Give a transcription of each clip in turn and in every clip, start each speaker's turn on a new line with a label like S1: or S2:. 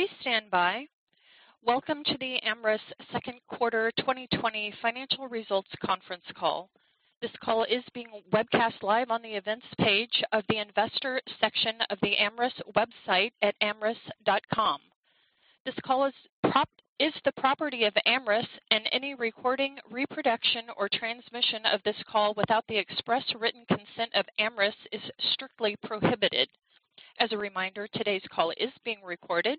S1: Please stand by. Welcome to the Amyris Second Quarter 2020 Financial Results Conference Call. This call is being webcast live on the events page of the investor section of the Amyris website at amyris.com. This call is the property of Amyris, and any recording, reproduction, or transmission of this call without the express written consent of Amyris is strictly prohibited. As a reminder, today's call is being recorded.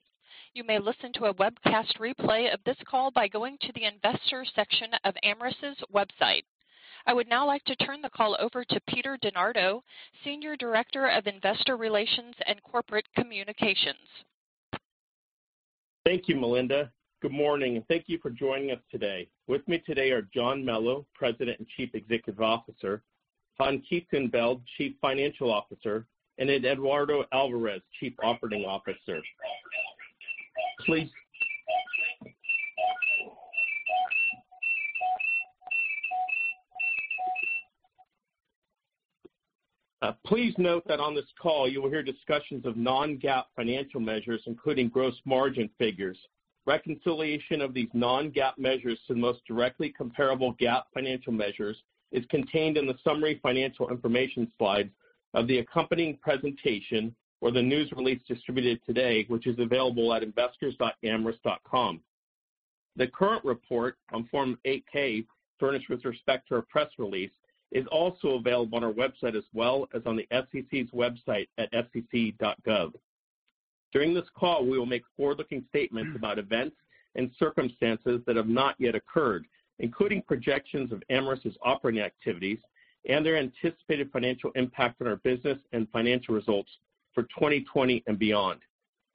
S1: You may listen to a webcast replay of this call by going to the investor section of Amyris's website. I would now like to turn the call over to Peter DeNardo, Senior Director of Investor Relations and Corporate Communications.
S2: Thank you, Melinda. Good morning, and thank you for joining us today. With me today are John Melo, President and Chief Executive Officer, Han Kieftenbeld, Chief Financial Officer, and Eduardo Alvarez, Chief Operating Officer. Please note that on this call, you will hear discussions of non-GAAP financial measures, including gross margin figures. Reconciliation of these non-GAAP measures to the most directly comparable GAAP financial measures is contained in the summary financial information slides of the accompanying presentation or the news release distributed today, which is available at investors.amyris.com. The current report on Form 8-K, furnished with respect to our press release, is also available on our website as well as on the SEC's website at sec.gov. During this call, we will make forward-looking statements about events and circumstances that have not yet occurred, including projections of Amyris's operating activities and their anticipated financial impact on our business and financial results for 2020 and beyond.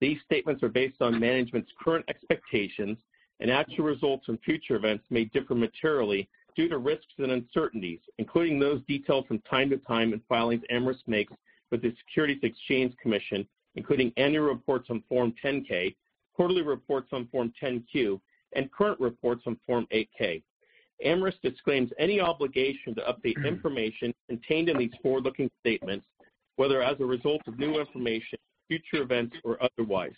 S2: These statements are based on management's current expectations, and actual results and future events may differ materially due to risks and uncertainties, including those detailed from time to time in filings Amyris makes with the Securities and Exchange Commission, including annual reports on Form 10-K, quarterly reports on Form 10-Q, and current reports on Form 8-K. Amyris disclaims any obligation to update information contained in these forward-looking statements, whether as a result of new information, future events, or otherwise.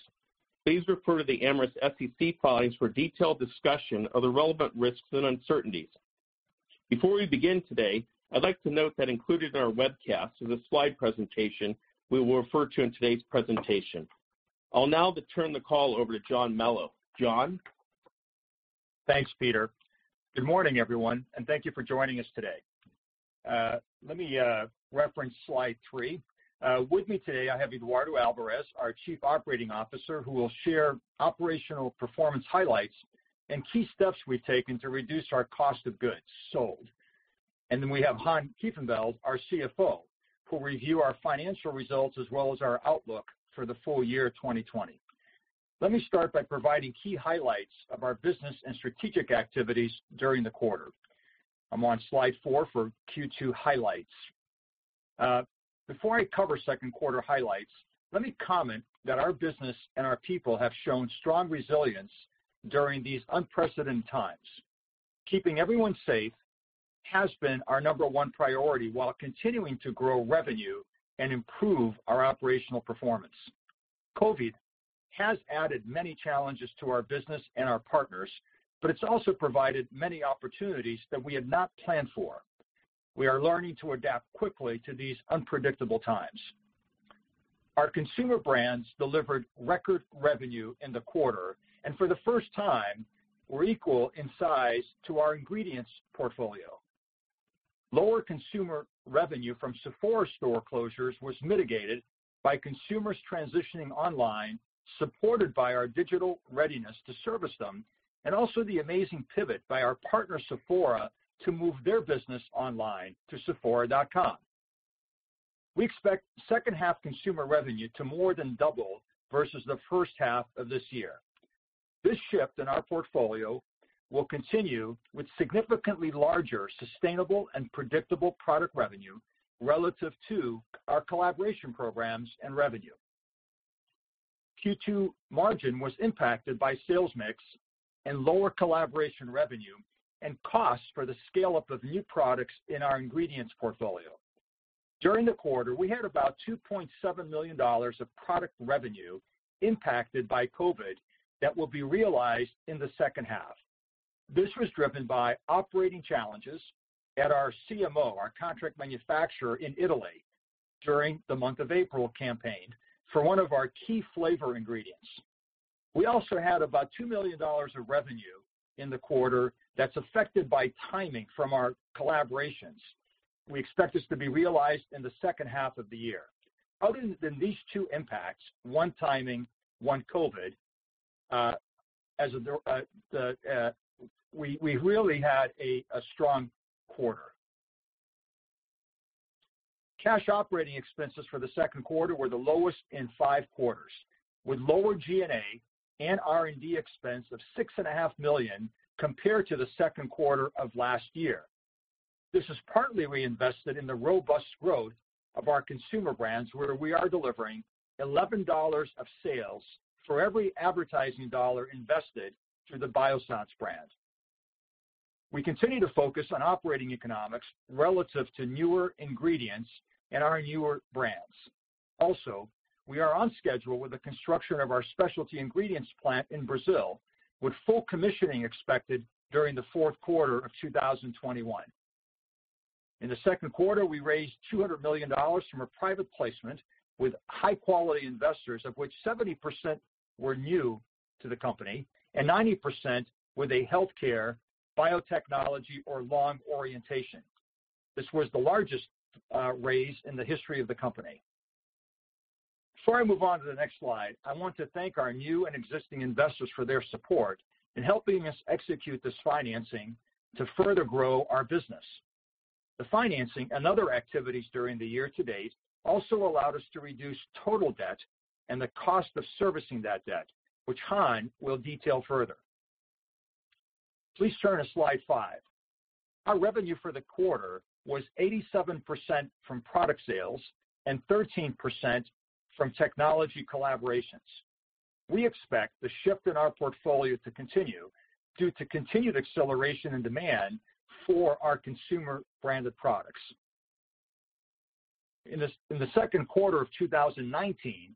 S2: Please refer to the Amyris SEC filings for detailed discussion of the relevant risks and uncertainties. Before we begin today, I'd like to note that included in our webcast is a slide presentation we will refer to in today's presentation. I'll now turn the call over to John Melo. John?
S3: Thanks, Peter. Good morning, everyone, and thank you for joining us today. Let me reference slide three. With me today, I have Eduardo Alvarez, our Chief Operating Officer, who will share operational performance highlights and key steps we've taken to reduce our cost of goods sold, and then we have Han Kieftenbeld, our CFO, who will review our financial results as well as our outlook for the full year 2020. Let me start by providing key highlights of our business and strategic activities during the quarter. I'm on slide four for Q2 highlights. Before I cover second quarter highlights, let me comment that our business and our people have shown strong resilience during these unprecedented times. Keeping everyone safe has been our number one priority while continuing to grow revenue and improve our operational performance. COVID has added many challenges to our business and our partners, but it's also provided many opportunities that we had not planned for. We are learning to adapt quickly to these unpredictable times. Our consumer brands delivered record revenue in the quarter, and for the first time, were equal in size to our ingredients portfolio. Lower consumer revenue from Sephora store closures was mitigated by consumers transitioning online, supported by our digital readiness to service them, and also the amazing pivot by our partner Sephora to move their business online to sephora.com. We expect second half consumer revenue to more than double versus the first half of this year. This shift in our portfolio will continue with significantly larger sustainable and predictable product revenue relative to our collaboration programs and revenue. Q2 margin was impacted by sales mix and lower collaboration revenue and costs for the scale-up of new products in our ingredients portfolio. During the quarter, we had about $2.7 million of product revenue impacted by COVID that will be realized in the second half. This was driven by operating challenges at our CMO, our contract manufacturer in Italy, during the month of April campaign for one of our key flavor ingredients. We also had about $2 million of revenue in the quarter that's affected by timing from our collaborations. We expect this to be realized in the second half of the year. Other than these two impacts, one timing, one COVID, we really had a strong quarter. Cash operating expenses for the second quarter were the lowest in five quarters, with lower G&A and R&D expense of $6.5 million compared to the second quarter of last year. This is partly reinvested in the robust growth of our consumer brands, where we are delivering $11 of sales for every advertising dollar invested through the Biossance brand. We continue to focus on operating economics relative to newer ingredients and our newer brands. Also, we are on schedule with the construction of our specialty ingredients plant in Brazil, with full commissioning expected during the fourth quarter of 2021. In the second quarter, we raised $200 million from a private placement with high-quality investors, of which 70% were new to the company and 90% with a healthcare, biotechnology, or long orientation. This was the largest raise in the history of the company. Before I move on to the next slide, I want to thank our new and existing investors for their support in helping us execute this financing to further grow our business. The financing and other activities during the year to date also allowed us to reduce total debt and the cost of servicing that debt, which Han will detail further. Please turn to slide five. Our revenue for the quarter was 87% from product sales and 13% from technology collaborations. We expect the shift in our portfolio to continue due to continued acceleration in demand for our consumer-branded products. In the second quarter of 2019,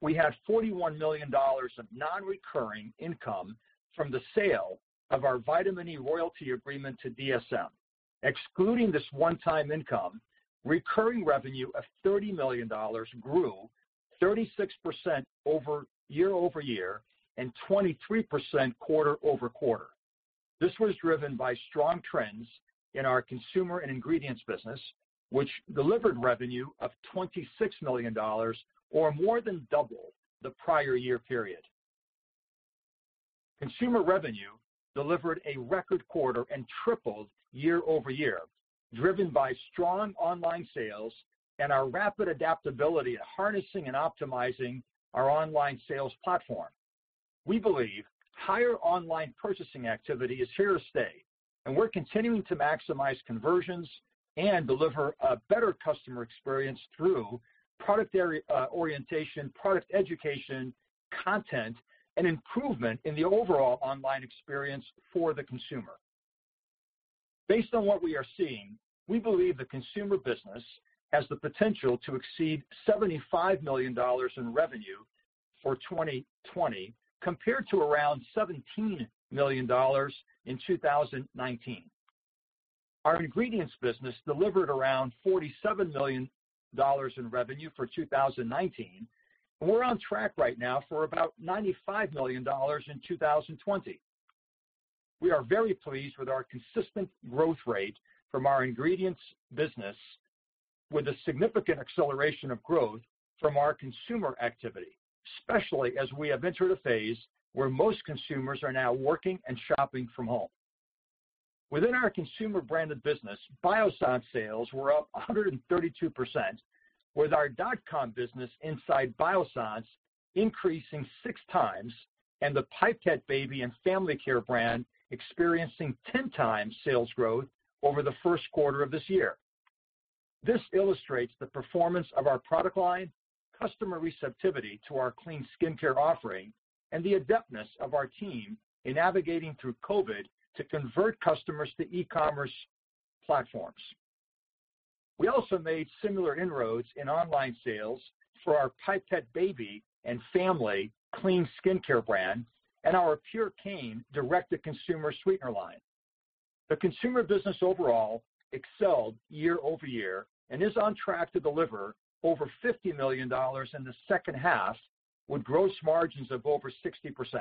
S3: we had $41 million of non-recurring income from the sale of our vitamin E royalty agreement to DSM. Excluding this one-time income, recurring revenue of $30 million grew 36% year-over-year and 23% quarter-over-quarter. This was driven by strong trends in our consumer and ingredients business, which delivered revenue of $26 million, or more than double the prior year period. Consumer revenue delivered a record quarter and tripled year-over year, driven by strong online sales and our rapid adaptability in harnessing and optimizing our online sales platform. We believe higher online purchasing activity is here to stay, and we're continuing to maximize conversions and deliver a better customer experience through product orientation, product education, content, and improvement in the overall online experience for the consumer. Based on what we are seeing, we believe the consumer business has the potential to exceed $75 million in revenue for 2020, compared to around $17 million in 2019. Our ingredients business delivered around $47 million in revenue for 2019, and we're on track right now for about $95 million in 2020. We are very pleased with our consistent growth rate from our ingredients business, with a significant acceleration of growth from our consumer activity, especially as we have entered a phase where most consumers are now working and shopping from home. Within our consumer-branded business, Biossance sales were up 132%, with our dot-com business inside Biossance increasing 6x and the Pipette baby and family care brand experiencing 10x sales growth over the first quarter of this year. This illustrates the performance of our product line, customer receptivity to our clean skincare offering, and the adeptness of our team in navigating through COVID to convert customers to e-commerce platforms. We also made similar inroads in online sales for our Pipette baby and family clean skincare brand and our Purecane direct-to-consumer sweetener line. The consumer business overall excelled year-over-year and is on track to deliver over $50 million in the second half with gross margins of over 60%.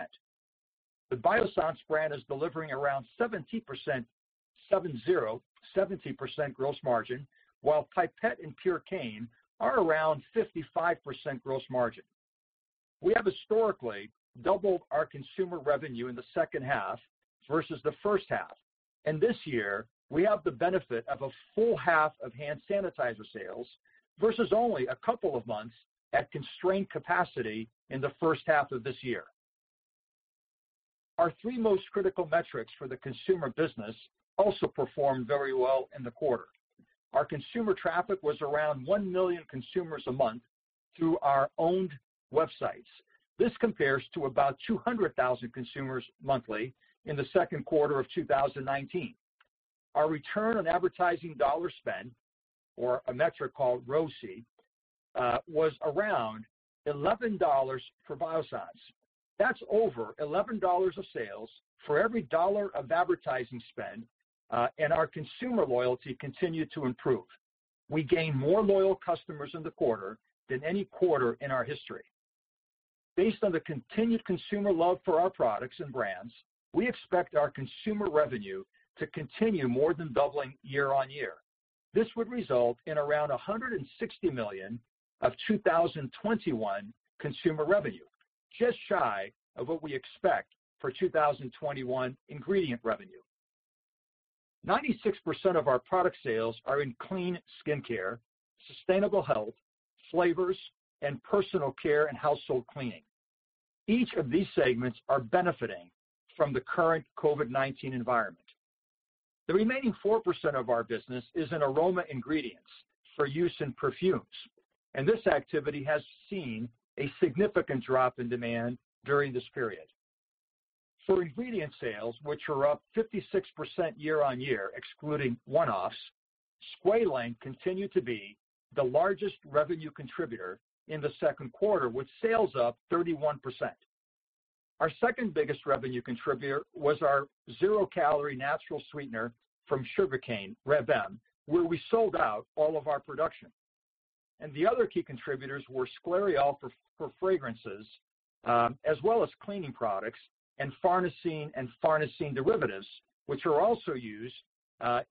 S3: The Biossance brand is delivering around 70% gross margin, while Pipette and Purecane are around 55% gross margin. We have historically doubled our consumer revenue in the second half versus the first half, and this year, we have the benefit of a full half of hand sanitizer sales versus only a couple of months at constrained capacity in the first half of this year. Our three most critical metrics for the consumer business also performed very well in the quarter. Our consumer traffic was around 1 million consumers a month through our owned websites. This compares to about 200,000 consumers monthly in the second quarter of 2019. Our return on advertising dollar spend, or a metric called ROAS, was around $11 for Biossance. That's over $11 of sales for every dollar of advertising spend, and our consumer loyalty continued to improve. We gained more loyal customers in the quarter than any quarter in our history. Based on the continued consumer love for our products and brands, we expect our consumer revenue to continue more than doubling year on year. This would result in around $160 million of 2021 consumer revenue, just shy of what we expect for 2021 ingredient revenue. 96% of our product sales are in clean skincare, sustainable health, flavors, and personal care and household cleaning. Each of these segments are benefiting from the current COVID-19 environment. The remaining 4% of our business is in aroma ingredients for use in perfumes, and this activity has seen a significant drop in demand during this period. For ingredient sales, which are up 56% year-on-year excluding one-offs, squalane continued to be the largest revenue contributor in the second quarter, with sales up 31%. Our second biggest revenue contributor was our zero-calorie natural sweetener from sugarcane, Reb M, where we sold out all of our production. The other key contributors were sclareol for fragrances, as well as cleaning products and farnesene and farnesene derivatives, which are also used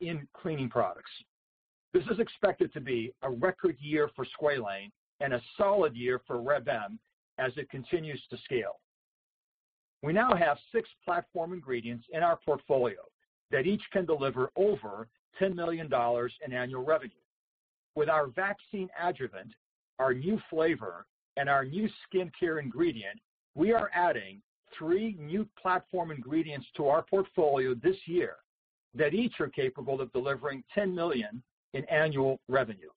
S3: in cleaning products. This is expected to be a record year for squalane and a solid year for Reb M as it continues to scale. We now have six platform ingredients in our portfolio that each can deliver over $10 million in annual revenue. With our vaccine adjuvant, our new flavor, and our new skincare ingredient, we are adding three new platform ingredients to our portfolio this year that each are capable of delivering $10 million in annual revenue.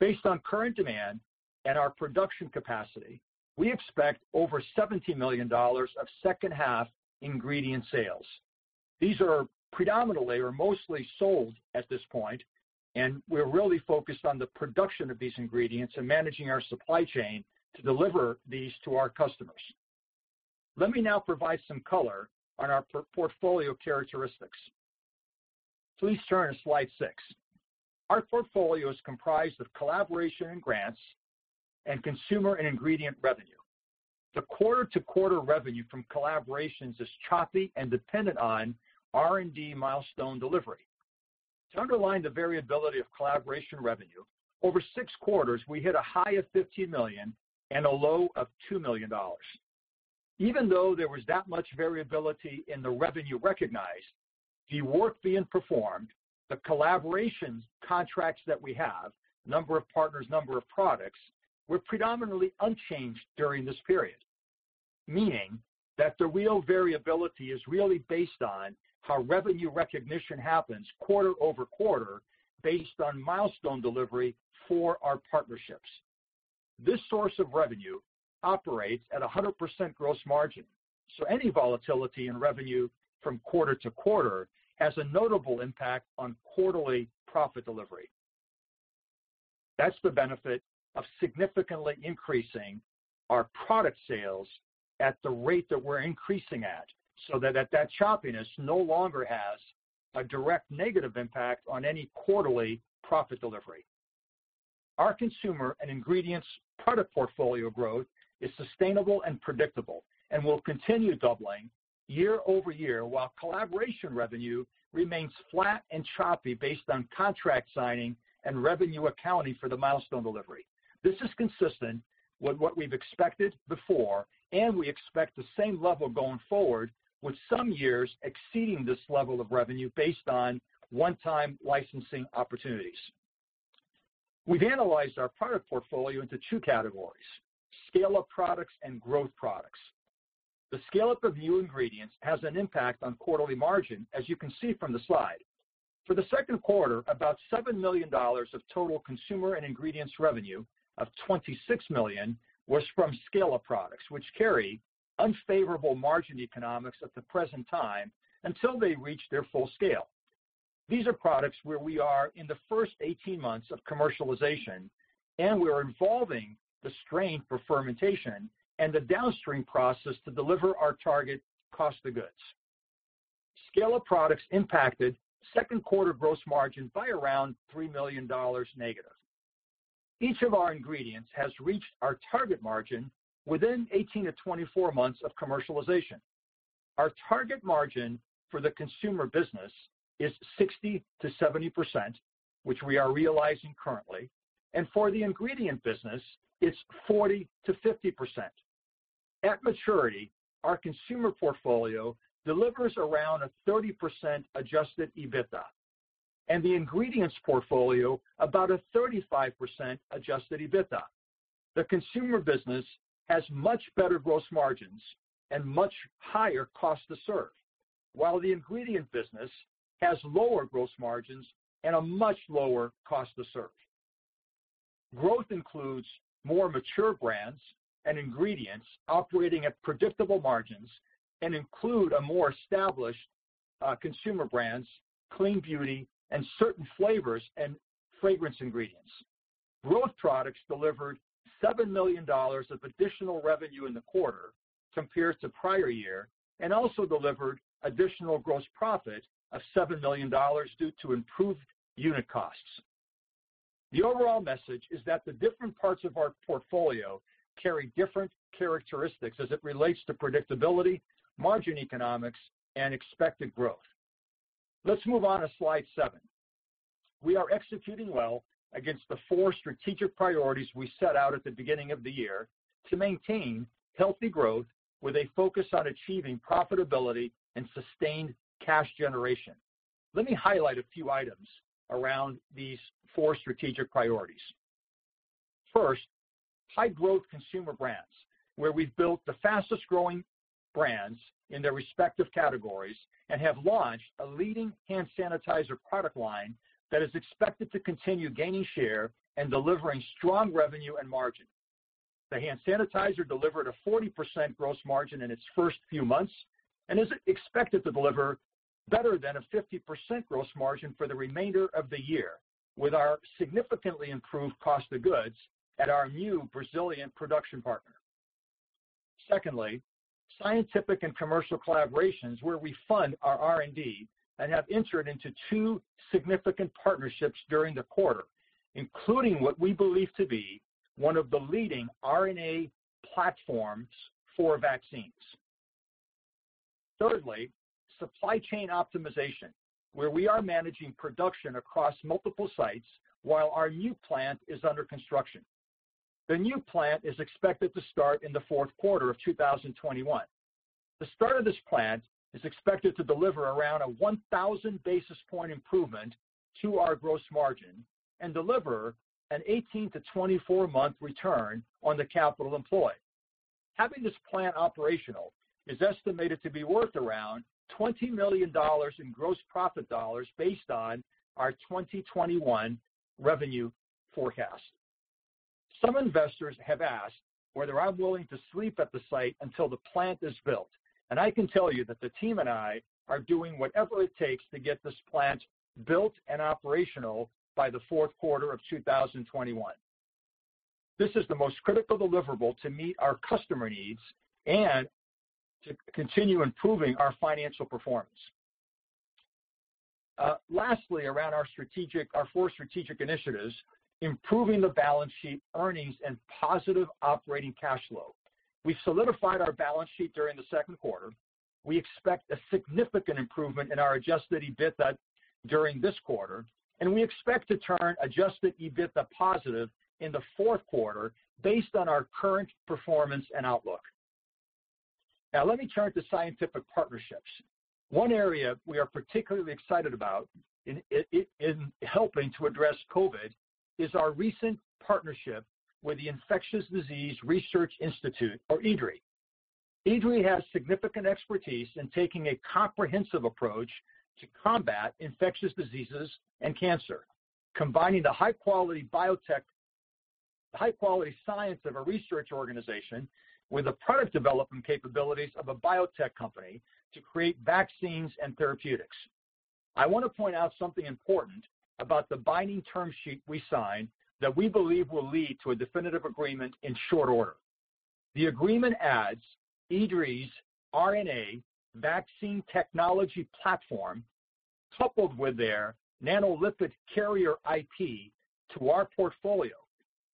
S3: Based on current demand and our production capacity, we expect over $70 million of second half ingredient sales. These are predominantly or mostly sold at this point, and we're really focused on the production of these ingredients and managing our supply chain to deliver these to our customers. Let me now provide some color on our portfolio characteristics. Please turn to slide six. Our portfolio is comprised of collaboration and grants and consumer and ingredient revenue. The quarter-to-quarter revenue from collaborations is choppy and dependent on R&D milestone delivery. To underline the variability of collaboration revenue, over six quarters, we hit a high of $15 million and a low of $2 million. Even though there was that much variability in the revenue recognized, the work being performed, the collaboration contracts that we have, number of partners, number of products, were predominantly unchanged during this period, meaning that the real variability is really based on how revenue recognition happens quarter-over-quarter based on milestone delivery for our partnerships. This source of revenue operates at 100% gross margin, so any volatility in revenue from quarter-to-quarter has a notable impact on quarterly profit delivery. That's the benefit of significantly increasing our product sales at the rate that we're increasing at so that that choppiness no longer has a direct negative impact on any quarterly profit delivery. Our consumer and ingredients product portfolio growth is sustainable and predictable and will continue doubling year over year while collaboration revenue remains flat and choppy based on contract signing and revenue accounting for the milestone delivery. This is consistent with what we've expected before, and we expect the same level going forward, with some years exceeding this level of revenue based on one-time licensing opportunities. We've analyzed our product portfolio into two categories: scale-up products and growth products. The scale-up of new ingredients has an impact on quarterly margin, as you can see from the slide. For the second quarter, about $7 million of total consumer and ingredients revenue of $26 million was from scale-up products, which carry unfavorable margin economics at the present time until they reach their full scale. These are products where we are in the first 18 months of commercialization, and we're evolving the strain for fermentation and the downstream process to deliver our target cost of goods. Scale-up products impacted second quarter gross margin by around $3 million-. Each of our ingredients has reached our target margin within 18 months-24 months of commercialization. Our target margin for the consumer business is 60%-70%, which we are realizing currently, and for the ingredient business, it's 40%-50%. At maturity, our consumer portfolio delivers around a 30% Adjusted EBITDA, and the ingredients portfolio about a 35% Adjusted EBITDA. The consumer business has much better gross margins and much higher cost to serve, while the ingredient business has lower gross margins and a much lower cost to serve. Growth includes more mature brands and ingredients operating at predictable margins and include a more established consumer brands, clean beauty, and certain flavors and fragrance ingredients. Growth products delivered $7 million of additional revenue in the quarter compared to prior year and also delivered additional gross profit of $7 million due to improved unit costs. The overall message is that the different parts of our portfolio carry different characteristics as it relates to predictability, margin economics, and expected growth. Let's move on to slide seven. We are executing well against the four strategic priorities we set out at the beginning of the year to maintain healthy growth with a focus on achieving profitability and sustained cash generation. Let me highlight a few items around these four strategic priorities. First, high-growth consumer brands, where we've built the fastest-growing brands in their respective categories and have launched a leading hand sanitizer product line that is expected to continue gaining share and delivering strong revenue and margin. The hand sanitizer delivered a 40% gross margin in its first few months and is expected to deliver better than a 50% gross margin for the remainder of the year with our significantly improved cost of goods at our new Brazilian production partner. Secondly, scientific and commercial collaborations where we fund our R&D and have entered into two significant partnerships during the quarter, including what we believe to be one of the leading RNA platforms for vaccines. Thirdly, supply chain optimization, where we are managing production across multiple sites while our new plant is under construction. The new plant is expected to start in the fourth quarter of 2021. The start of this plant is expected to deliver around a 1,000 basis point improvement to our gross margin and deliver an 18 month-24 month return on the capital employed. Having this plant operational is estimated to be worth around $20 million in gross profit dollars based on our 2021 revenue forecast. Some investors have asked whether I'm willing to sleep at the site until the plant is built, and I can tell you that the team and I are doing whatever it takes to get this plant built and operational by the fourth quarter of 2021. This is the most critical deliverable to meet our customer needs and to continue improving our financial performance. Lastly, around our four strategic initiatives, improving the balance sheet, earnings and positive operating cash flow. We've solidified our balance sheet during the second quarter. We expect a significant improvement in our Adjusted EBITDA during this quarter, and we expect to turn Adjusted EBITDA positive in the fourth quarter based on our current performance and outlook. Now, let me turn to scientific partnerships. One area we are particularly excited about in helping to address COVID is our recent partnership with the Infectious Disease Research Institute, or IDRI. IDRI has significant expertise in taking a comprehensive approach to combat infectious diseases and cancer, combining the high-quality science of a research organization with the product development capabilities of a biotech company to create vaccines and therapeutics. I want to point out something important about the binding term sheet we signed that we believe will lead to a definitive agreement in short order. The agreement adds IDRI's RNA vaccine technology platform coupled with their nanolipid carrier IP to our portfolio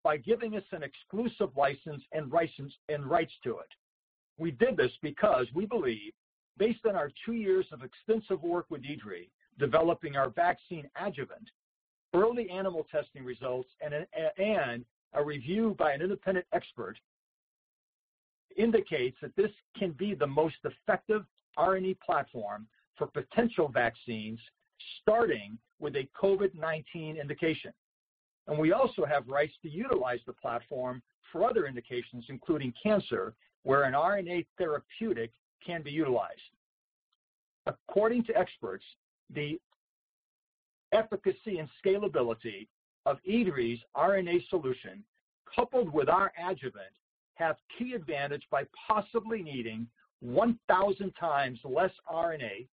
S3: by giving us an exclusive license and rights to it. We did this because we believe, based on our two years of extensive work with IDRI developing our vaccine adjuvant, early animal testing results, and a review by an independent expert, indicates that this can be the most effective RNA platform for potential vaccines starting with a COVID-19 indication. And we also have rights to utilize the platform for other indications, including cancer, where an RNA therapeutic can be utilized. According to experts, the efficacy and scalability of IDRI's RNA solution coupled with our adjuvant have key advantage by possibly needing 1,000x less RNA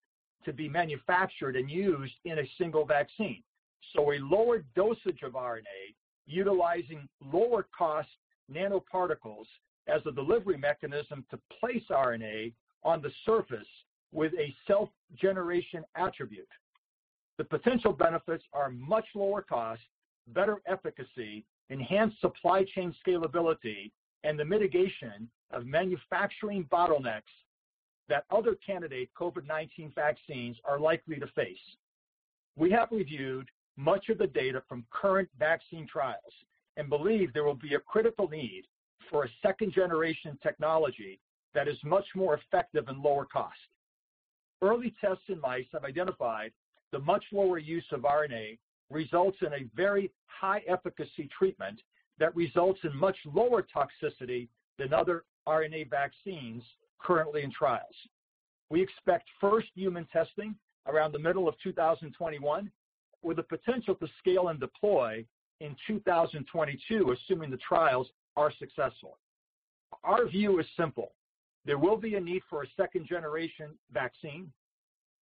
S3: to be manufactured and used in a single vaccine. So a lower dosage of RNA utilizing lower-cost nanoparticles as a delivery mechanism to place RNA on the surface with a self-generation attribute. The potential benefits are much lower cost, better efficacy, enhanced supply chain scalability, and the mitigation of manufacturing bottlenecks that other candidate COVID-19 vaccines are likely to face. We have reviewed much of the data from current vaccine trials and believe there will be a critical need for a second-generation technology that is much more effective and lower cost. Early tests in mice have identified the much lower use of RNA results in a very high-efficacy treatment that results in much lower toxicity than other RNA vaccines currently in trials. We expect first human testing around the middle of 2021, with a potential to scale and deploy in 2022, assuming the trials are successful. Our view is simple. There will be a need for a second-generation vaccine,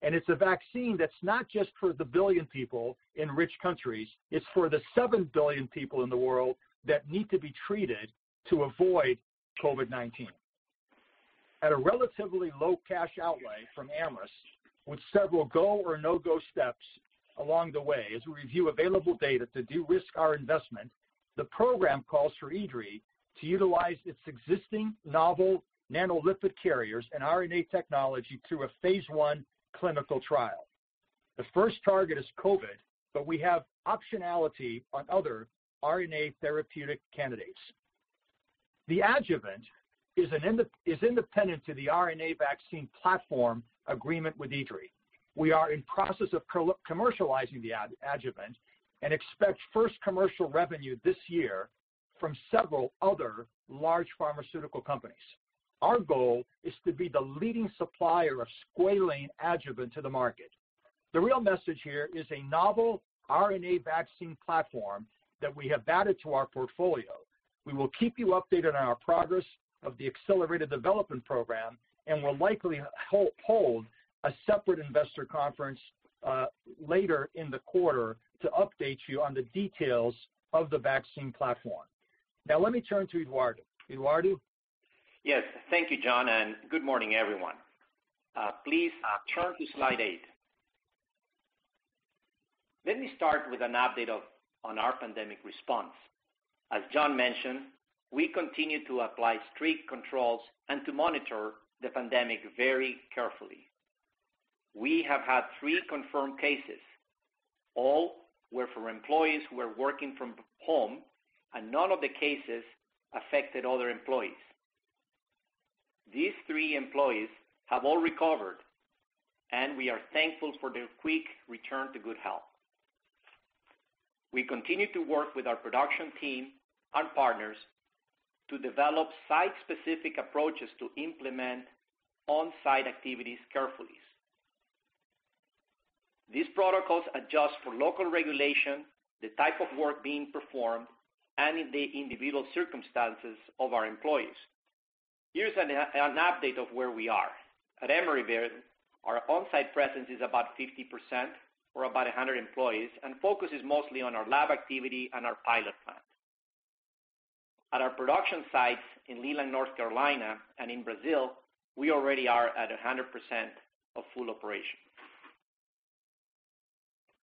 S3: and it's a vaccine that's not just for the billion people in rich countries. It's for the 7 billion people in the world that need to be treated to avoid COVID-19. At a relatively low cash outlay from Amyris, with several go or no-go steps along the way as we review available data to de-risk our investment, the program calls for IDRI to utilize its existing novel nanolipid carriers and RNA technology through a phase I clinical trial. The first target is COVID, but we have optionality on other RNA therapeutic candidates. The adjuvant is independent to the RNA vaccine platform agreement with IDRI. We are in process of commercializing the adjuvant and expect first commercial revenue this year from several other large pharmaceutical companies. Our goal is to be the leading supplier of squalane adjuvant to the market. The real message here is a novel RNA vaccine platform that we have added to our portfolio. We will keep you updated on our progress of the accelerated development program, and we'll likely hold a separate investor conference later in the quarter to update you on the details of the vaccine platform. Now, let me turn to Eduardo. Eduardo?
S4: Yes. Thank you, John, and good morning, everyone. Please turn to slide eight. Let me start with an update on our pandemic response. As John mentioned, we continue to apply strict controls and to monitor the pandemic very carefully. We have had three confirmed cases. All were from employees who were working from home, and none of the cases affected other employees. These three employees have all recovered, and we are thankful for their quick return to good health. We continue to work with our production team and partners to develop site-specific approaches to implement on-site activities carefully. These protocols adjust for local regulation, the type of work being performed, and the individual circumstances of our employees. Here's an update of where we are. At Emeryville, our on-site presence is about 50% or about 100 employees, and focus is mostly on our lab activity and our pilot plant. At our production sites in Leland, North Carolina, and in Brazil, we already are at 100% of full operation.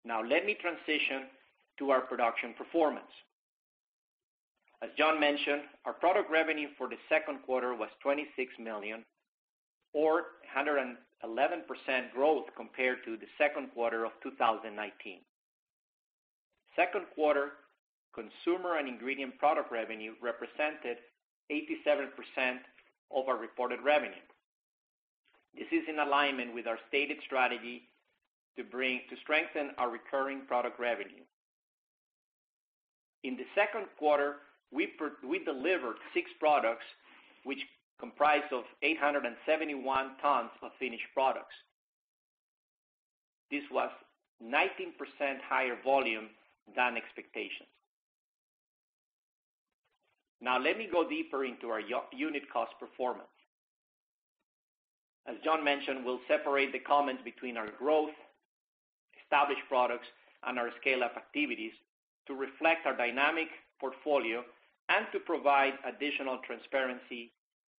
S4: Now, let me transition to our production performance. As John mentioned, our product revenue for the second quarter was $26 million, or 111% growth compared to the second quarter of 2019. Second quarter, consumer and ingredient product revenue represented 87% of our reported revenue. This is in alignment with our stated strategy to strengthen our recurring product revenue. In the second quarter, we delivered six products, which comprised 871 tons of finished products. This was 19% higher volume than expectations. Now, let me go deeper into our unit cost performance. As John mentioned, we'll separate the comments between our growth, established products, and our scale-up activities to reflect our dynamic portfolio and to provide additional transparency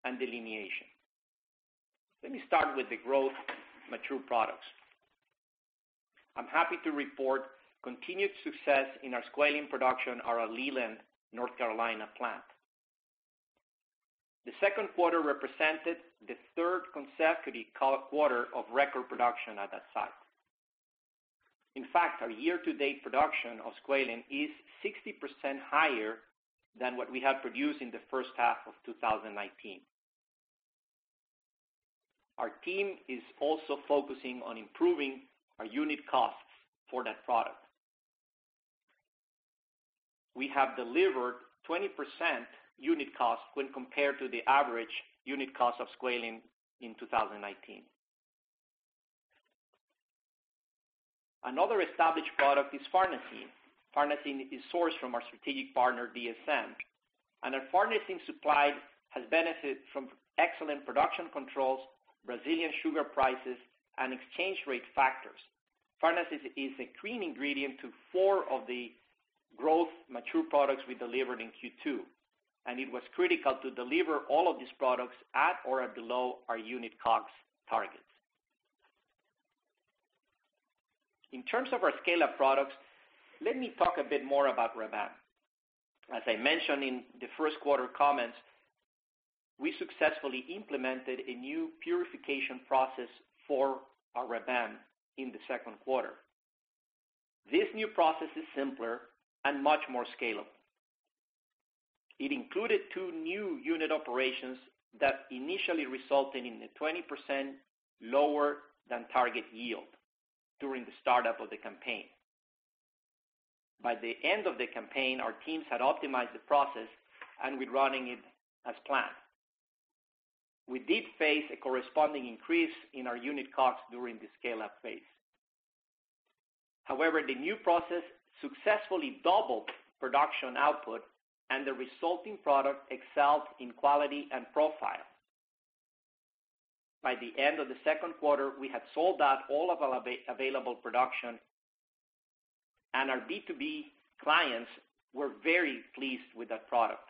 S4: and delineation. Let me start with the growth mature products. I'm happy to report continued success in our squalane production at our Leland, North Carolina, plant. The second quarter represented the third consecutive quarter of record production at that site. In fact, our year-to-date production of squalane is 60% higher than what we had produced in the first half of 2019. Our team is also focusing on improving our unit costs for that product. We have delivered 20% unit cost when compared to squalane in 2019. Another established product is farnesene. Farnesene is sourced from our strategic partner, DSM, and our farnesene supply has benefited from excellent production controls, Brazilian sugar prices, and exchange rate factors. Farnesene is a key ingredient to four of the growth mature products we delivered in Q2, and it was critical to deliver all of these products at or below our unit cost targets. In terms of our scale-up products, let me talk a bit more about Reb M. As I mentioned in the first quarter comments, we successfully implemented a new purification process for our Reb M in the second quarter. This new process is simpler and much more scalable. It included two new unit operations that initially resulted in a 20% lower than target yield during the startup of the campaign. By the end of the campaign, our teams had optimized the process and were running it as planned. We did face a corresponding increase in our unit costs during the scale-up phase. However, the new process successfully doubled production output, and the resulting product excelled in quality and profile. By the end of the second quarter, we had sold out all of our available production, and our B2B clients were very pleased with that product.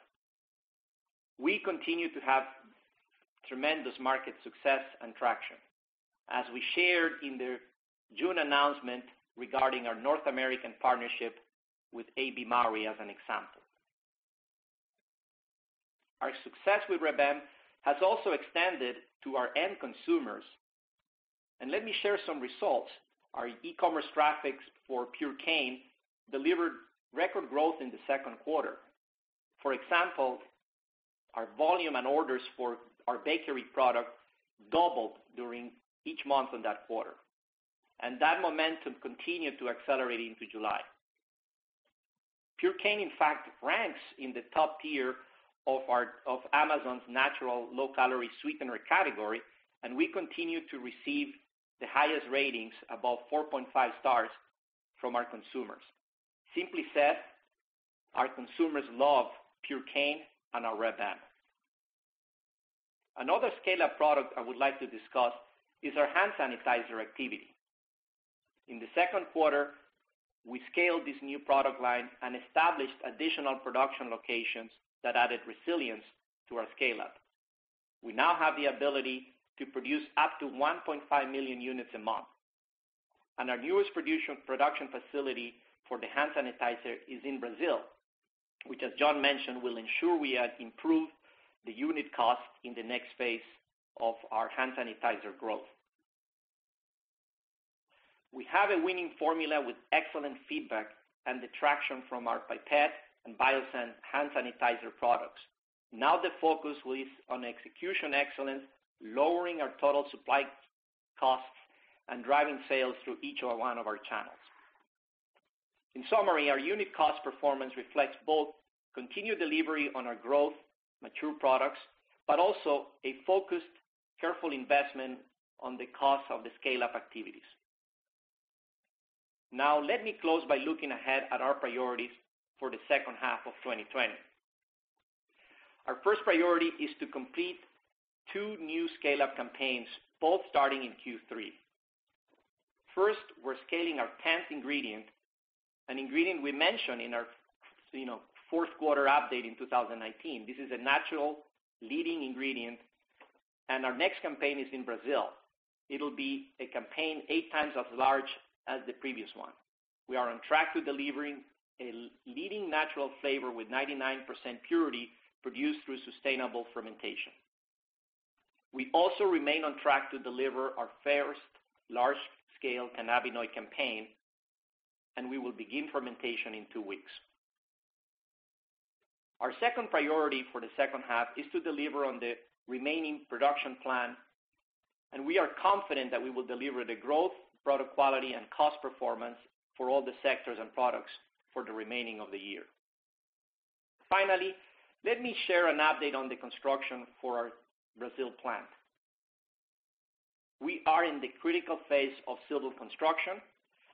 S4: We continue to have tremendous market success and traction, as we shared in the June announcement regarding our North American partnership with AB Mauri as an example. Our success with Reb M has also extended to our end consumers, and let me share some results. Our e-commerce traffic for Purecane delivered record growth in the second quarter. For example, our volume and orders for our bakery product doubled each month in that quarter, and that momentum continued to accelerate into July. Purecane, in fact, ranks in the top tier of Amazon's natural low-calorie sweetener category, and we continue to receive the highest ratings, above 4.5 stars, from our consumers. Simply said, our consumers love Purecane and our Reb M. Another scale-up product I would like to discuss is our hand sanitizer activity. In the second quarter, we scaled this new product line and established additional production locations that added resilience to our scale-up. We now have the ability to produce up to 1.5 million units a month, and our newest production facility for the hand sanitizer is in Brazil, which, as John mentioned, will ensure we improve the unit cost in the next phase of our hand sanitizer growth. We have a winning formula with excellent feedback and the traction from our Pipette and Biossance hand sanitizer products. Now, the focus is on execution excellence, lowering our total supply costs and driving sales through each or one of our channels. In summary, our unit cost performance reflects both continued delivery on our growth mature products, but also a focused, careful investment on the cost of the scale-up activities. Now, let me close by looking ahead at our priorities for the second half of 2020. Our first priority is to complete two new scale-up campaigns, both starting in Q3. First, we're scaling our 10th ingredient, an ingredient we mentioned in our fourth quarter update in 2019. This is a natural leading ingredient, and our next campaign is in Brazil. It'll be a campaign eight times as large as the previous one. We are on track to delivering a leading natural flavor with 99% purity produced through sustainable fermentation. We also remain on track to deliver our first large-scale cannabinoid campaign, and we will begin fermentation in two weeks. Our second priority for the second half is to deliver on the remaining production plan, and we are confident that we will deliver the growth, product quality, and cost performance for all the sectors and products for the remaining of the year. Finally, let me share an update on the construction for our Brazil plant. We are in the critical phase of civil construction,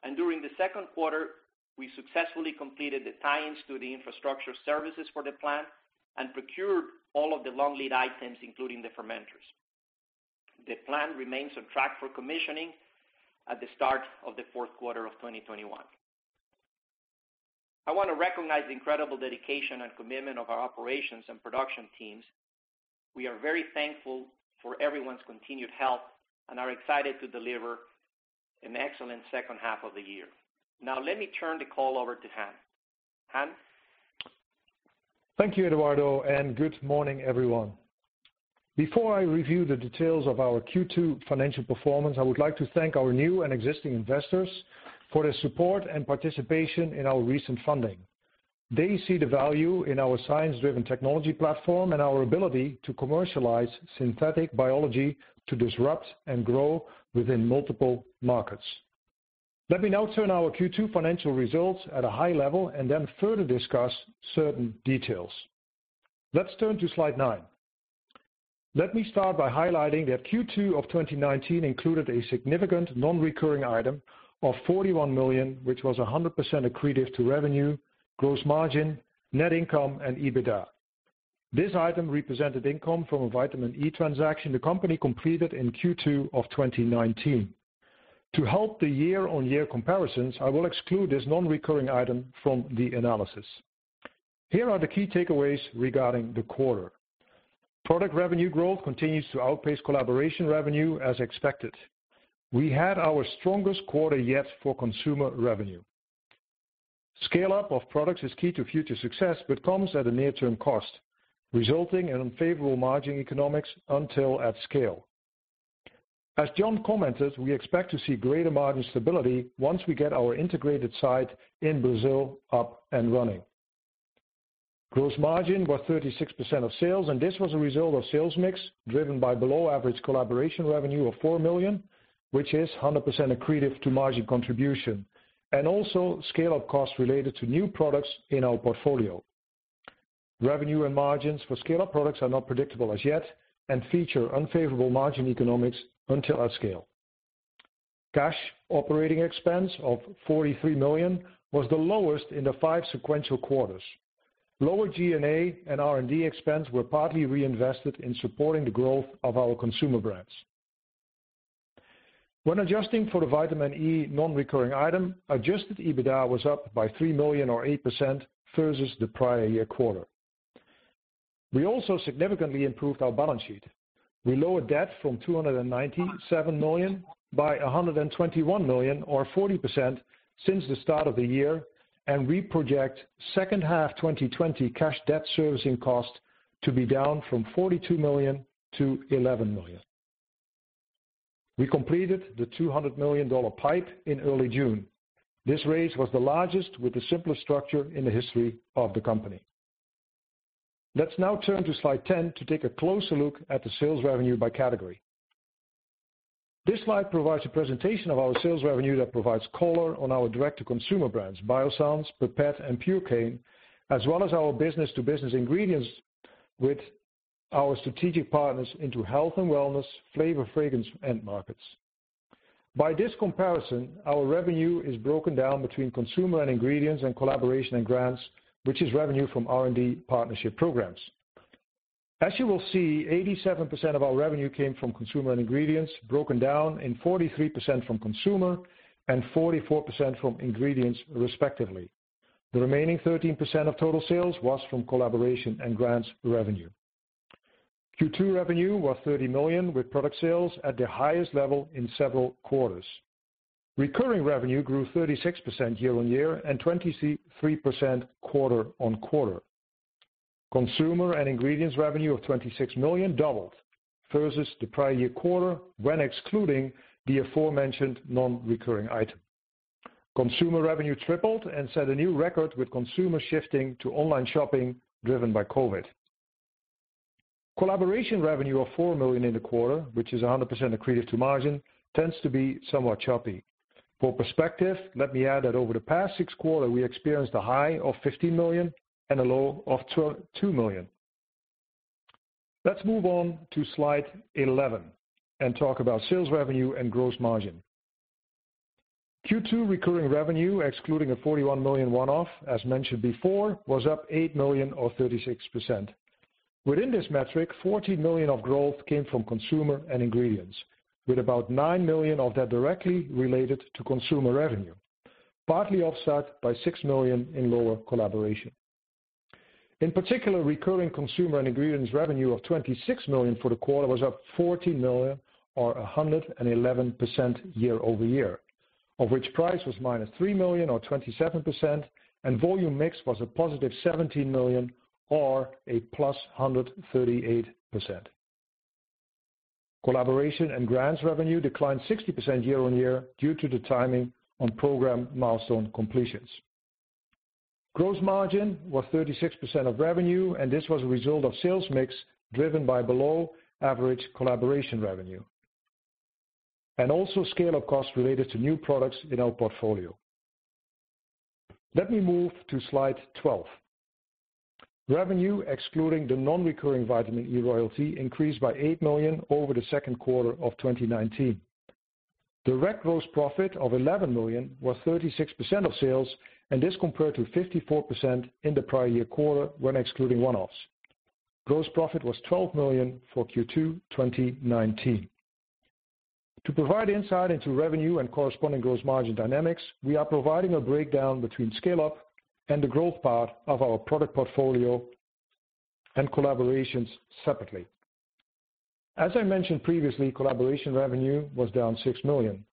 S4: and during the second quarter, we successfully completed the tie-ins to the infrastructure services for the plant and procured all of the long lead items, including the fermenters. The plant remains on track for commissioning at the start of the fourth quarter of 2021. I want to recognize the incredible dedication and commitment of our operations and production teams. We are very thankful for everyone's continued help and are excited to deliver an excellent second half of the year. Now, let me turn the call over to Han. Han?
S5: Thank you, Eduardo, and good morning, everyone. Before I review the details of our Q2 financial performance, I would like to thank our new and existing investors for their support and participation in our recent funding. They see the value in our science-driven technology platform and our ability to commercialize synthetic biology to disrupt and grow within multiple markets. Let me now turn to our Q2 financial results at a high level and then further discuss certain details. Let's turn to slide nine. Let me start by highlighting that Q2 of 2019 included a significant non-recurring item of $41 million, which was 100% accretive to revenue, gross margin, net income, and EBITDA. This item represented income from a vitamin E transaction the company completed in Q2 of 2019. To help the year-on-year comparisons, I will exclude this non-recurring item from the analysis. Here are the key takeaways regarding the quarter. Product revenue growth continues to outpace collaboration revenue, as expected. We had our strongest quarter yet for consumer revenue. Scale-up of products is key to future success, but comes at a near-term cost, resulting in unfavorable margin economics until at scale. As John commented, we expect to see greater margin stability once we get our integrated site in Brazil up and running. Gross margin was 36% of sales, and this was a result of sales mix driven by below-average collaboration revenue of $4 million, which is 100% accretive to margin contribution, and also scale-up costs related to new products in our portfolio. Revenue and margins for scale-up products are not predictable as yet and feature unfavorable margin economics until at scale. Cash operating expense of $43 million was the lowest in the five sequential quarters. Lower G&A and R&D expense were partly reinvested in supporting the growth of our consumer brands. When adjusting for the vitamin E non-recurring item, Adjusted EBITDA was up by $3 million or 8% versus the prior year quarter. We also significantly improved our balance sheet. We lowered debt from $297 million by $121 million or 40% since the start of the year, and we project second half 2020 cash debt servicing cost to be down from $42 million to $11 million. We completed the $200 million PIPE in early June. This raise was the largest with the simplest structure in the history of the company. Let's now turn to slide 10 to take a closer look at the sales revenue by category. This slide provides a presentation of our sales revenue that provides color on our direct-to-consumer brands, Biossance, Pipette, and Purecane, as well as our business-to-business ingredients with our strategic partners into health and wellness, flavor, fragrance, and markets. By this comparison, our revenue is broken down between consumer and ingredients and collaboration and grants, which is revenue from R&D partnership programs. As you will see, 87% of our revenue came from consumer and ingredients, broken down in 43% from consumer and 44% from ingredients, respectively. The remaining 13% of total sales was from collaboration and grants revenue. Q2 revenue was $30 million, with product sales at their highest level in several quarters. Recurring revenue grew 36% year-on-year and 23% quarter-on-quarter. Consumer and ingredients revenue of $26 million doubled versus the prior year quarter when excluding the aforementioned non-recurring item. Consumer revenue tripled and set a new record, with consumers shifting to online shopping driven by COVID. Collaboration revenue of $4 million in the quarter, which is 100% accretive to margin, tends to be somewhat choppy. For perspective, let me add that over the past six quarters, we experienced a high of $15 million and a low of $2 million. Let's move on to slide 11 and talk about sales revenue and gross margin. Q2 recurring revenue, excluding a $41 million one-off, as mentioned before, was up $8 million or 36%. Within this metric, $40 million of growth came from consumer and ingredients, with about $9 million of that directly related to consumer revenue, partly offset by $6 million in lower collaboration.
S1: In particular, recurring consumer and ingredients revenue of $26 million for the quarter was up $40 million or 111% year-over-year, of which price was -$3 million or 27%, and volume mix was a +$17 million or a +138%. Collaboration and grants revenue declined 60% year-on-year due to the timing on program milestone completions. Gross margin was 36% of revenue, and this was a result of sales mix driven by below-average collaboration revenue, and also scale-up costs related to new products in our portfolio. Let me move to slide 12. Revenue, excluding the non-recurring vitamin E royalty, increased by $8 million over the second quarter of 2019. Direct gross profit of $11 million was 36% of sales, and this compared to 54% in the prior year quarter when excluding one-offs. Gross profit was $12 million for Q2 2019. To provide insight into revenue and corresponding gross margin dynamics, we are providing a breakdown between scale-up and the growth part of our product portfolio and collaborations separately. As I mentioned previously, collaboration revenue was down $6 million.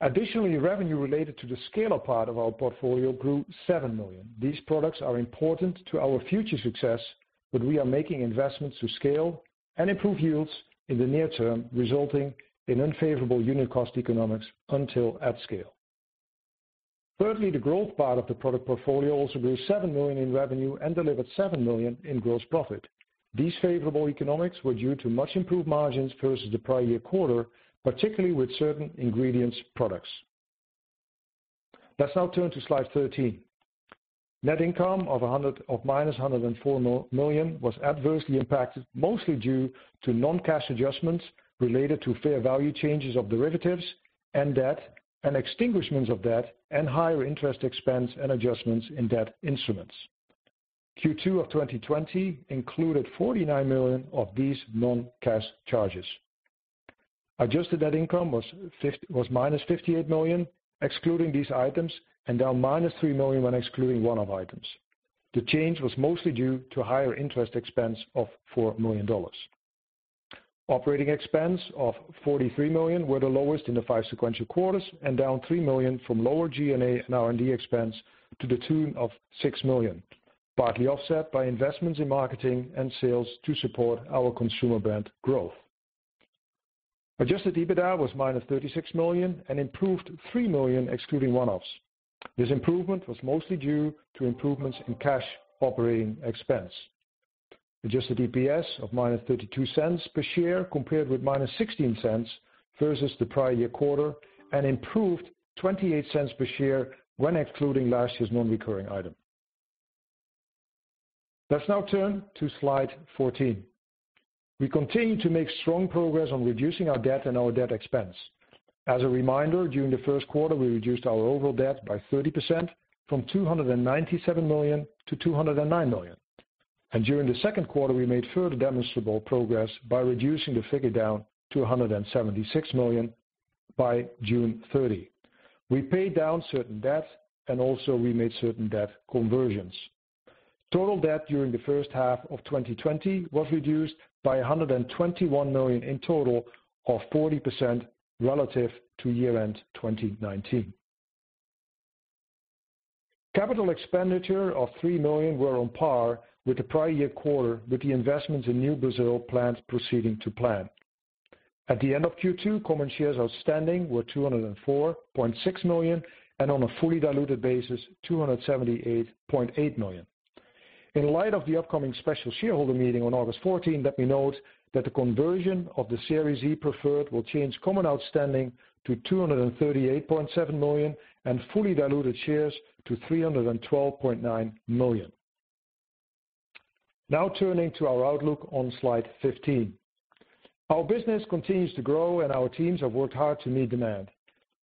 S1: Additionally, revenue related to the scale-up part of our portfolio grew $7 million. These products are important to our future success, but we are making investments to scale and improve yields in the near term, resulting in unfavorable unit cost economics until at scale. Thirdly, the growth part of the product portfolio also grew $7 million in revenue and delivered $7 million in gross profit. These favorable economics were due to much improved margins versus the prior year quarter, particularly with certain ingredients products. Let's now turn to slide 13. Net income of -$104 million was adversely impacted, mostly due to non-cash adjustments related to fair value changes of derivatives and debt and extinguishments of debt and higher interest expense and adjustments in debt instruments. Q2 of 2020 included $49 million of these non-cash charges. Adjusted net income was -$58 million, excluding these items, and down -$3 million when excluding one-off items. The change was mostly due to higher interest expense of $4 million. Operating expense of $43 million were the lowest in the five sequential quarters, and down $3 million from lower G&A and R&D expense to the tune of $6 million, partly offset by investments in marketing and sales to support our consumer brand growth. Adjusted EBITDA was -$36 million and improved $3 million, excluding one-offs. This improvement was mostly due to improvements in cash operating expense. Adjusted EPS of -$0.32 per share compared with -$0.16 versus the prior year quarter and improved $0.28 per share when excluding last year's non-recurring item. Let's now turn to slide 14. We continue to make strong progress on reducing our debt and our debt expense. As a reminder, during the first quarter, we reduced our overall debt by 30% from $297 million to $209 million, and during the second quarter, we made further demonstrable progress by reducing the figure down to $176 million by June 30. We paid down certain debt, and also we made certain debt conversions. Total debt during the first half of 2020 was reduced by $121 million in total of 40% relative to year-end 2019. Capital expenditure of $3 million were on par with the prior year quarter, with the investments in new Brazil plant proceeding to plan. At the end of Q2, common shares outstanding were 204.6 million and on a fully diluted basis, 278.8 million. In light of the upcoming special shareholder meeting on August 14, let me note that the conversion of the Series E preferred will change common outstanding to 238.7 million and fully diluted shares to 312.9 million. Now turning to our outlook on slide 15. Our business continues to grow, and our teams have worked hard to meet demand.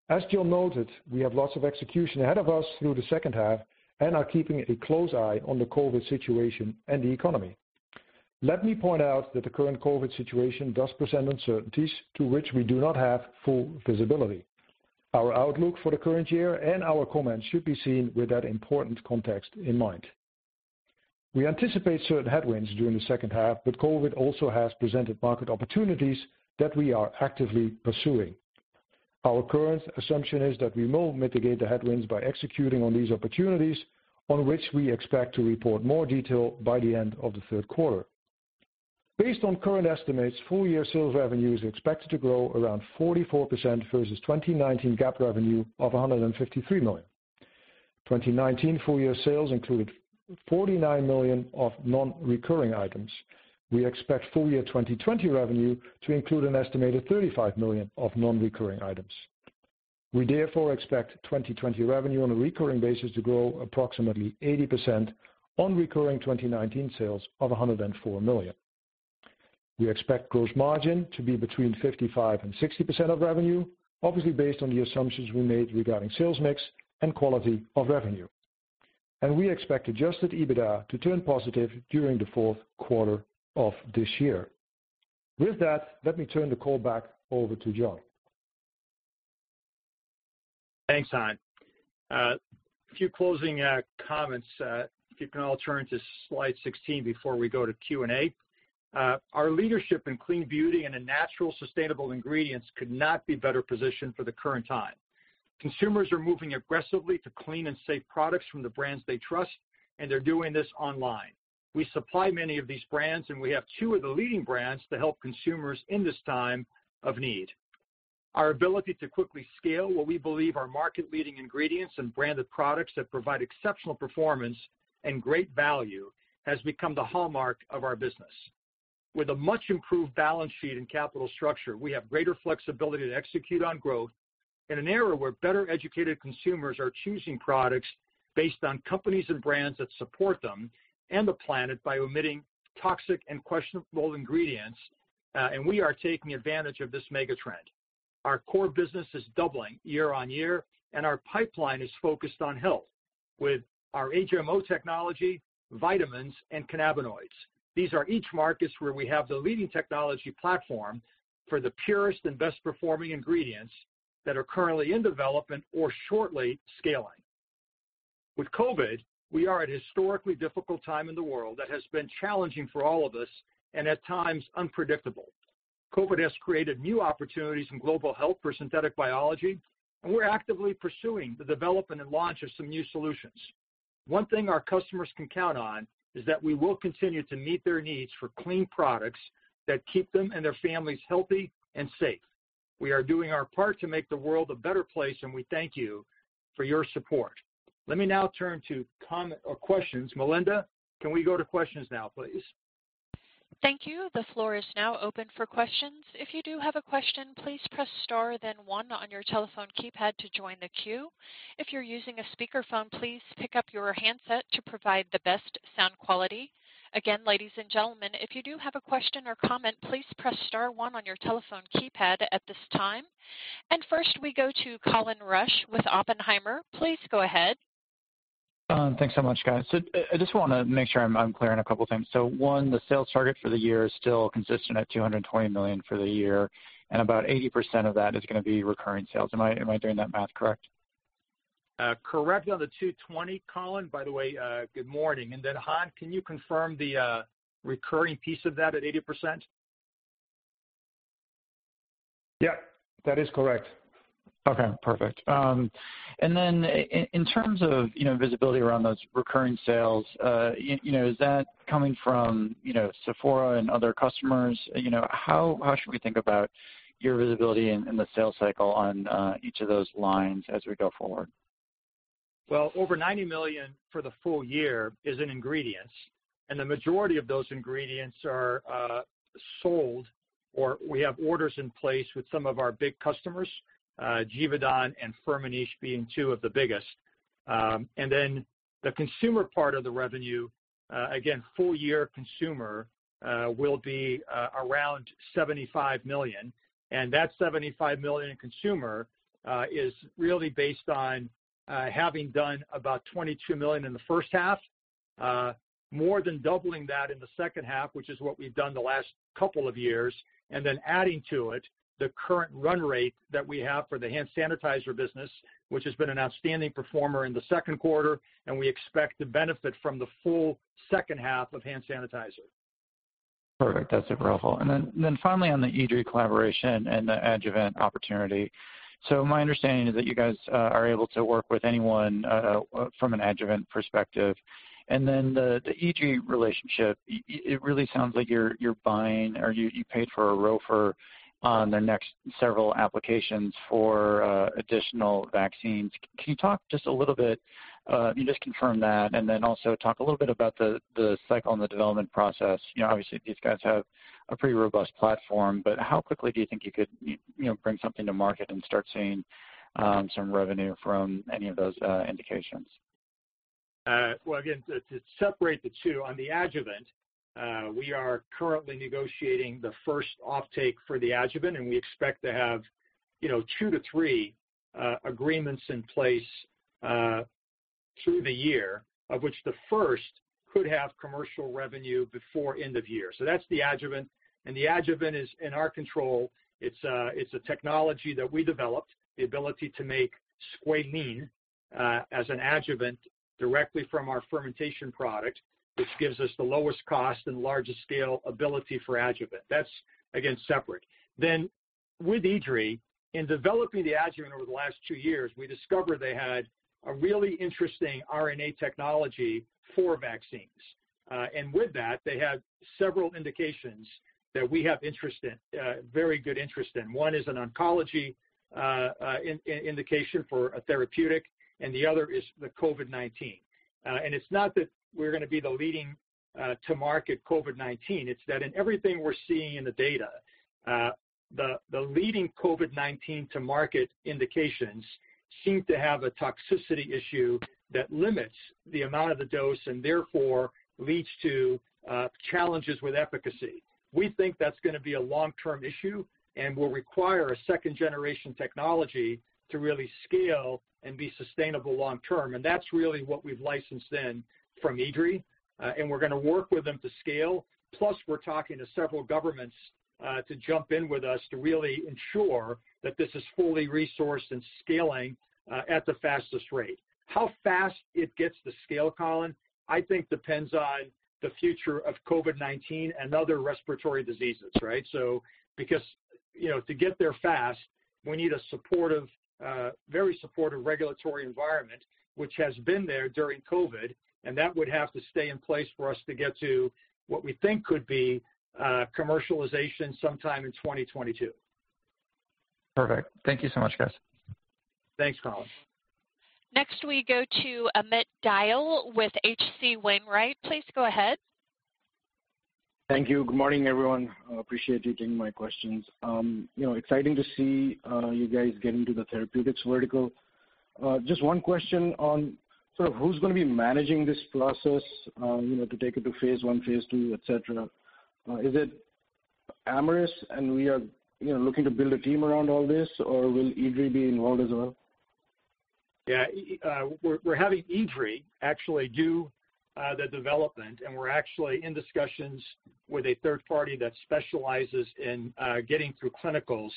S1: As John noted, we have lots of execution ahead of us through the second half and are keeping a close eye on the COVID situation and the economy. Let me point out that the current COVID situation does present uncertainties to which we do not have full visibility. Our outlook for the current year and our comments should be seen with that important context in mind. We anticipate certain headwinds during the second half, but COVID also has presented market opportunities that we are actively pursuing. Our current assumption is that we will mitigate the headwinds by executing on these opportunities, on which we expect to report more detail by the end of the third quarter. Based on current estimates, full year sales revenue is expected to grow around 44% versus 2019 GAAP revenue of $153 million. 2019 full year sales included $49 million of non-recurring items. We expect full year 2020 revenue to include an estimated $35 million of non-recurring items. We therefore expect 2020 revenue on a recurring basis to grow approximately 80% on recurring 2019 sales of $104 million. We expect gross margin to be between 55%-60% of revenue, obviously based on the assumptions we made regarding sales mix and quality of revenue. We expect Adjusted EBITDA to turn positive during the fourth quarter of this year. With that, let me turn the call back over to John.
S3: Thanks, Han. A few closing comments. If you can all turn to slide 16 before we go to Q&A. Our leadership in clean beauty and in natural sustainable ingredients could not be better positioned for the current time. Consumers are moving aggressively to clean and safe products from the brands they trust, and they're doing this online. We supply many of these brands, and we have two of the leading brands to help consumers in this time of need. Our ability to quickly scale what we believe are market-leading ingredients and branded products that provide exceptional performance and great value has become the hallmark of our business. With a much improved balance sheet and capital structure, we have greater flexibility to execute on growth in an era where better educated consumers are choosing products based on companies and brands that support them and the planet by omitting toxic and questionable ingredients, and we are taking advantage of this mega trend. Our core business is doubling year-on-year, and our pipeline is focused on health with our HMO technology, vitamins, and cannabinoids. These are each markets where we have the leading technology platform for the purest and best-performing ingredients that are currently in development or shortly scaling. With COVID, we are at a historically difficult time in the world that has been challenging for all of us and at times unpredictable. COVID has created new opportunities in global health for synthetic biology, and we're actively pursuing the development and launch of some new solutions. One thing our customers can count on is that we will continue to meet their needs for clean products that keep them and their families healthy and safe. We are doing our part to make the world a better place, and we thank you for your support. Let me now turn to comments or questions. Melinda, can we go to questions now, please?
S1: Thank you. The floor is now open for questions. If you do have a question, please press star, then one on your telephone keypad to join the queue. If you're using a speakerphone, please pick up your handset to provide the best sound quality. Again, ladies and gentlemen, if you do have a question or comment, please press star, one on your telephone keypad at this time. First, we go to Colin Rusch with Oppenheimer. Please go ahead.
S6: Thanks so much, guys. So I just want to make sure I'm clear on a couple of things. So one, the sales target for the year is still consistent at $220 million for the year, and about 80% of that is going to be recurring sales. Am I doing that math correct?
S3: Correct on the 220, Colin. By the way, good morning, and then, Han, can you confirm the recurring piece of that at 80%?
S5: Yeah, that is correct.
S6: Okay, perfect. And then in terms of visibility around those recurring sales, is that coming from Sephora and other customers? How should we think about your visibility and the sales cycle on each of those lines as we go forward?
S3: Over $90 million for the full year is in ingredients, and the majority of those ingredients are sold, or we have orders in place with some of our big customers, Givaudan and Firmenich being two of the biggest. And then the consumer part of the revenue, again, full year consumer will be around $75 million. And that $75 million consumer is really based on having done about $22 million in the first half, more than doubling that in the second half, which is what we've done the last couple of years. And then adding to it the current run rate that we have for the hand sanitizer business, which has been an outstanding performer in the second quarter, and we expect to benefit from the full second half of hand sanitizer.
S6: Perfect. That's super helpful and then finally, on the IDRI collaboration and the adjuvant opportunity so my understanding is that you guys are able to work with anyone from an adjuvant perspective and then the IDRI relationship, it really sounds like you're buying or you paid for a ROFR on their next several applications for additional vaccines. Can you talk just a little bit? You just confirmed that, and then also talk a little bit about the cycle and the development process. Obviously, these guys have a pretty robust platform, but how quickly do you think you could bring something to market and start seeing some revenue from any of those indications?
S3: Again, to separate the two, on the adjuvant, we are currently negotiating the first offtake for the adjuvant, and we expect to have two to three agreements in place through the year, of which the first could have commercial revenue before end of year. That's the adjuvant, and the adjuvant is in our control. It's a technology that we developed, the ability to make squalene as an adjuvant directly from our fermentation product, which gives us the lowest cost and largest scale ability for adjuvant. That's, again, separate. With IDRI, in developing the adjuvant over the last two years, we discovered they had a really interesting RNA technology for vaccines, and with that, they have several indications that we have interest in, very good interest in. One is an oncology indication for a therapeutic, and the other is the COVID-19. And it's not that we're going to be the leading to market COVID-19. It's that in everything we're seeing in the data, the leading COVID-19 to market indications seem to have a toxicity issue that limits the amount of the dose and therefore leads to challenges with efficacy. We think that's going to be a long-term issue and will require a second-generation technology to really scale and be sustainable long-term. And that's really what we've licensed in from IDRI, and we're going to work with them to scale. Plus, we're talking to several governments to jump in with us to really ensure that this is fully resourced and scaling at the fastest rate. How fast it gets to scale, Colin, I think depends on the future of COVID-19 and other respiratory diseases, right? So, because to get there fast, we need a supportive, very supportive regulatory environment, which has been there during COVID, and that would have to stay in place for us to get to what we think could be commercialization sometime in 2022.
S6: Perfect. Thank you so much, guys.
S3: Thanks, Colin.
S1: Next, we go to Amit Dayal with H.C. Wainwright. Please go ahead.
S7: Thank you. Good morning, everyone. I appreciate you taking my questions. Exciting to see you guys getting to the therapeutics vertical. Just one question on sort of who's going to be managing this process to take it to phase I, phase II, etc. Is it Amyris and we are looking to build a team around all this, or will IDRI be involved as well?
S3: Yeah, we're having IDRI actually do the development, and we're actually in discussions with a third party that specializes in getting through clinicals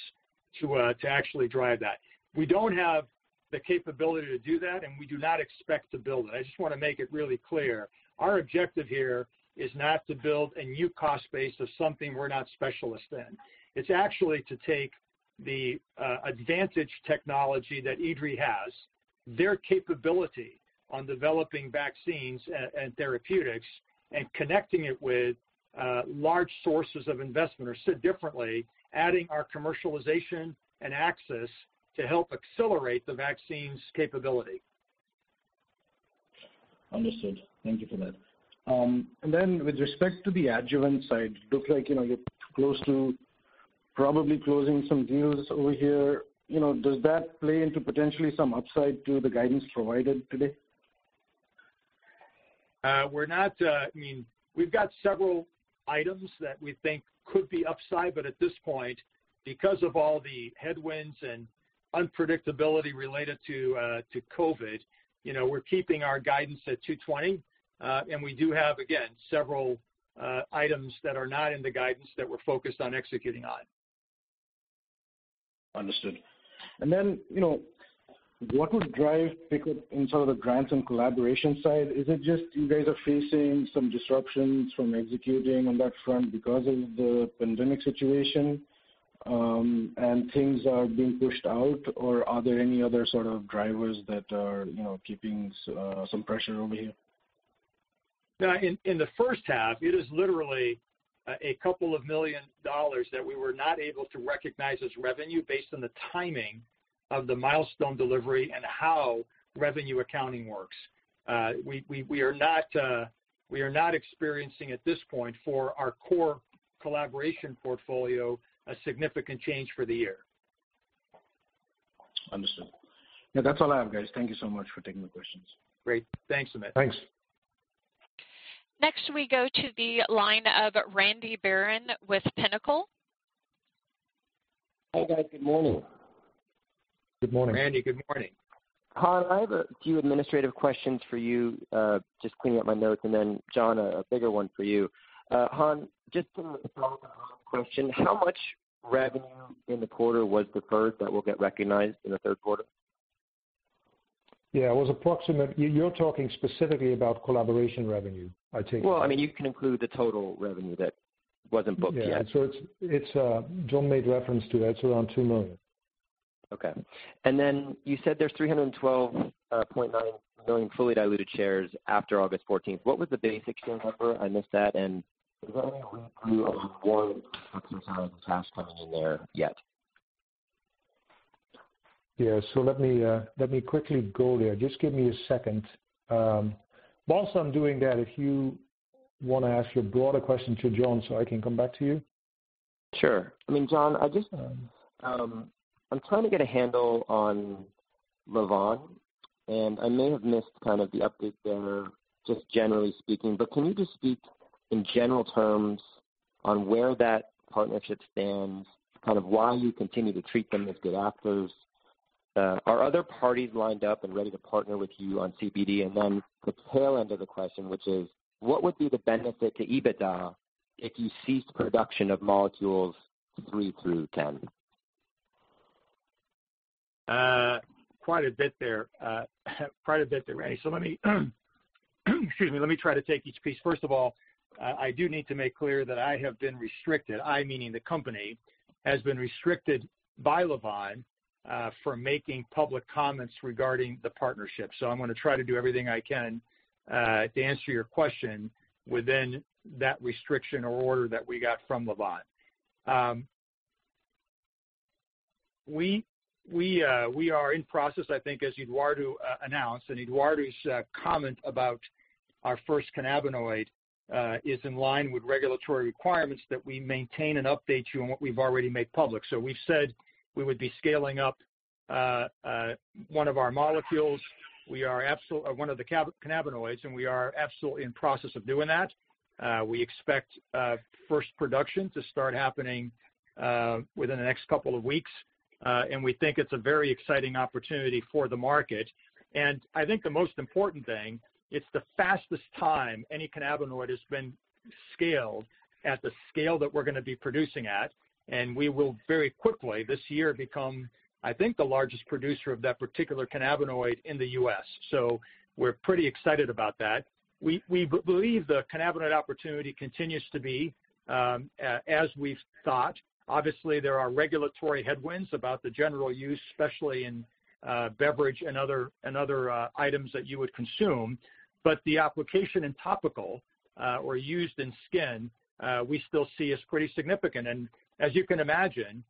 S3: to actually drive that. We don't have the capability to do that, and we do not expect to build it. I just want to make it really clear. Our objective here is not to build a new cost base of something we're not specialists in. It's actually to take the advantaged technology that IDRI has, their capability on developing vaccines and therapeutics, and connecting it with large sources of investment, or said differently, adding our commercialization and access to help accelerate the vaccine's capability.
S7: Understood. Thank you for that. And then with respect to the adjuvant side, it looks like you're close to probably closing some deals over here. Does that play into potentially some upside to the guidance provided today?
S3: I mean, we've got several items that we think could be upside, but at this point, because of all the headwinds and unpredictability related to COVID, we're keeping our guidance at 220, and we do have, again, several items that are not in the guidance that we're focused on executing on.
S7: Understood. And then what would drive in sort of the grants and collaboration side? Is it just you guys are facing some disruptions from executing on that front because of the pandemic situation and things are being pushed out, or are there any other sort of drivers that are keeping some pressure over here?
S3: In the first half, it is literally $2 million that we were not able to recognize as revenue based on the timing of the milestone delivery and how revenue accounting works. We are not experiencing at this point for our core collaboration portfolio a significant change for the year.
S7: Understood. Yeah, that's all I have, guys. Thank you so much for taking the questions.
S3: Great. Thanks, Amit.
S5: Thanks.
S1: Next, we go to the line of Randy Baron with Pinnacle.
S8: Hi, guys. Good morning.
S5: Good morning.
S3: Randy, good morning.
S8: Han, I have a few administrative questions for you, just cleaning up my notes, and then John, a bigger one for you. Han, just a follow-up question. How much revenue in the quarter was deferred that will get recognized in the third quarter?
S5: Yeah, it was approximate. You're talking specifically about collaboration revenue, I take it.
S8: Well, I mean, you can include the total revenue that wasn't booked yet.
S5: Yeah, so John made reference to that. It's around $2 million.
S8: Okay. And then you said there's 312.9 million fully diluted shares after August 14th. What was the basic share number? I missed that. We've only read through one fixing some of the cash coming in there yet.
S5: Yeah, so let me quickly go there. Just give me a second. Whilst I'm doing that, if you want to ask your broader question to John so I can come back to you.
S8: Sure. I mean, John, I'm trying to get a handle on Lavvan, and I may have missed kind of the update there, just generally speaking, but can you just speak in general terms on where that partnership stands, kind of why you continue to treat them as good actors? Are other parties lined up and ready to partner with you on CBD? And then the tail end of the question, which is, what would be the benefit to EBITDA if you ceased production of molecules 3 through 10?
S3: Quite a bit there. Quite a bit there, Randy. So excuse me, let me try to take each piece. First of all, I do need to make clear that I have been restricted, I meaning the company, has been restricted by Lavvan for making public comments regarding the partnership. So I'm going to try to do everything I can to answer your question within that restriction or order that we got from Lavvan. We are in process, I think, as Eduardo announced, and Eduardo's comment about our first cannabinoid is in line with regulatory requirements that we maintain and update you on what we've already made public. So we've said we would be scaling up one of our molecules. We are one of the cannabinoids, and we are absolutely in process of doing that. We expect first production to start happening within the next couple of weeks, and we think it's a very exciting opportunity for the market. And I think the most important thing, it's the fastest time any cannabinoid has been scaled at the scale that we're going to be producing at. And we will very quickly this year become, I think, the largest producer of that particular cannabinoid in the U.S. So we're pretty excited about that. We believe the cannabinoid opportunity continues to be as we've thought. Obviously, there are regulatory headwinds about the general use, especially in beverage and other items that you would consume, but the application in topical or used in skin, we still see as pretty significant. As you can imagine,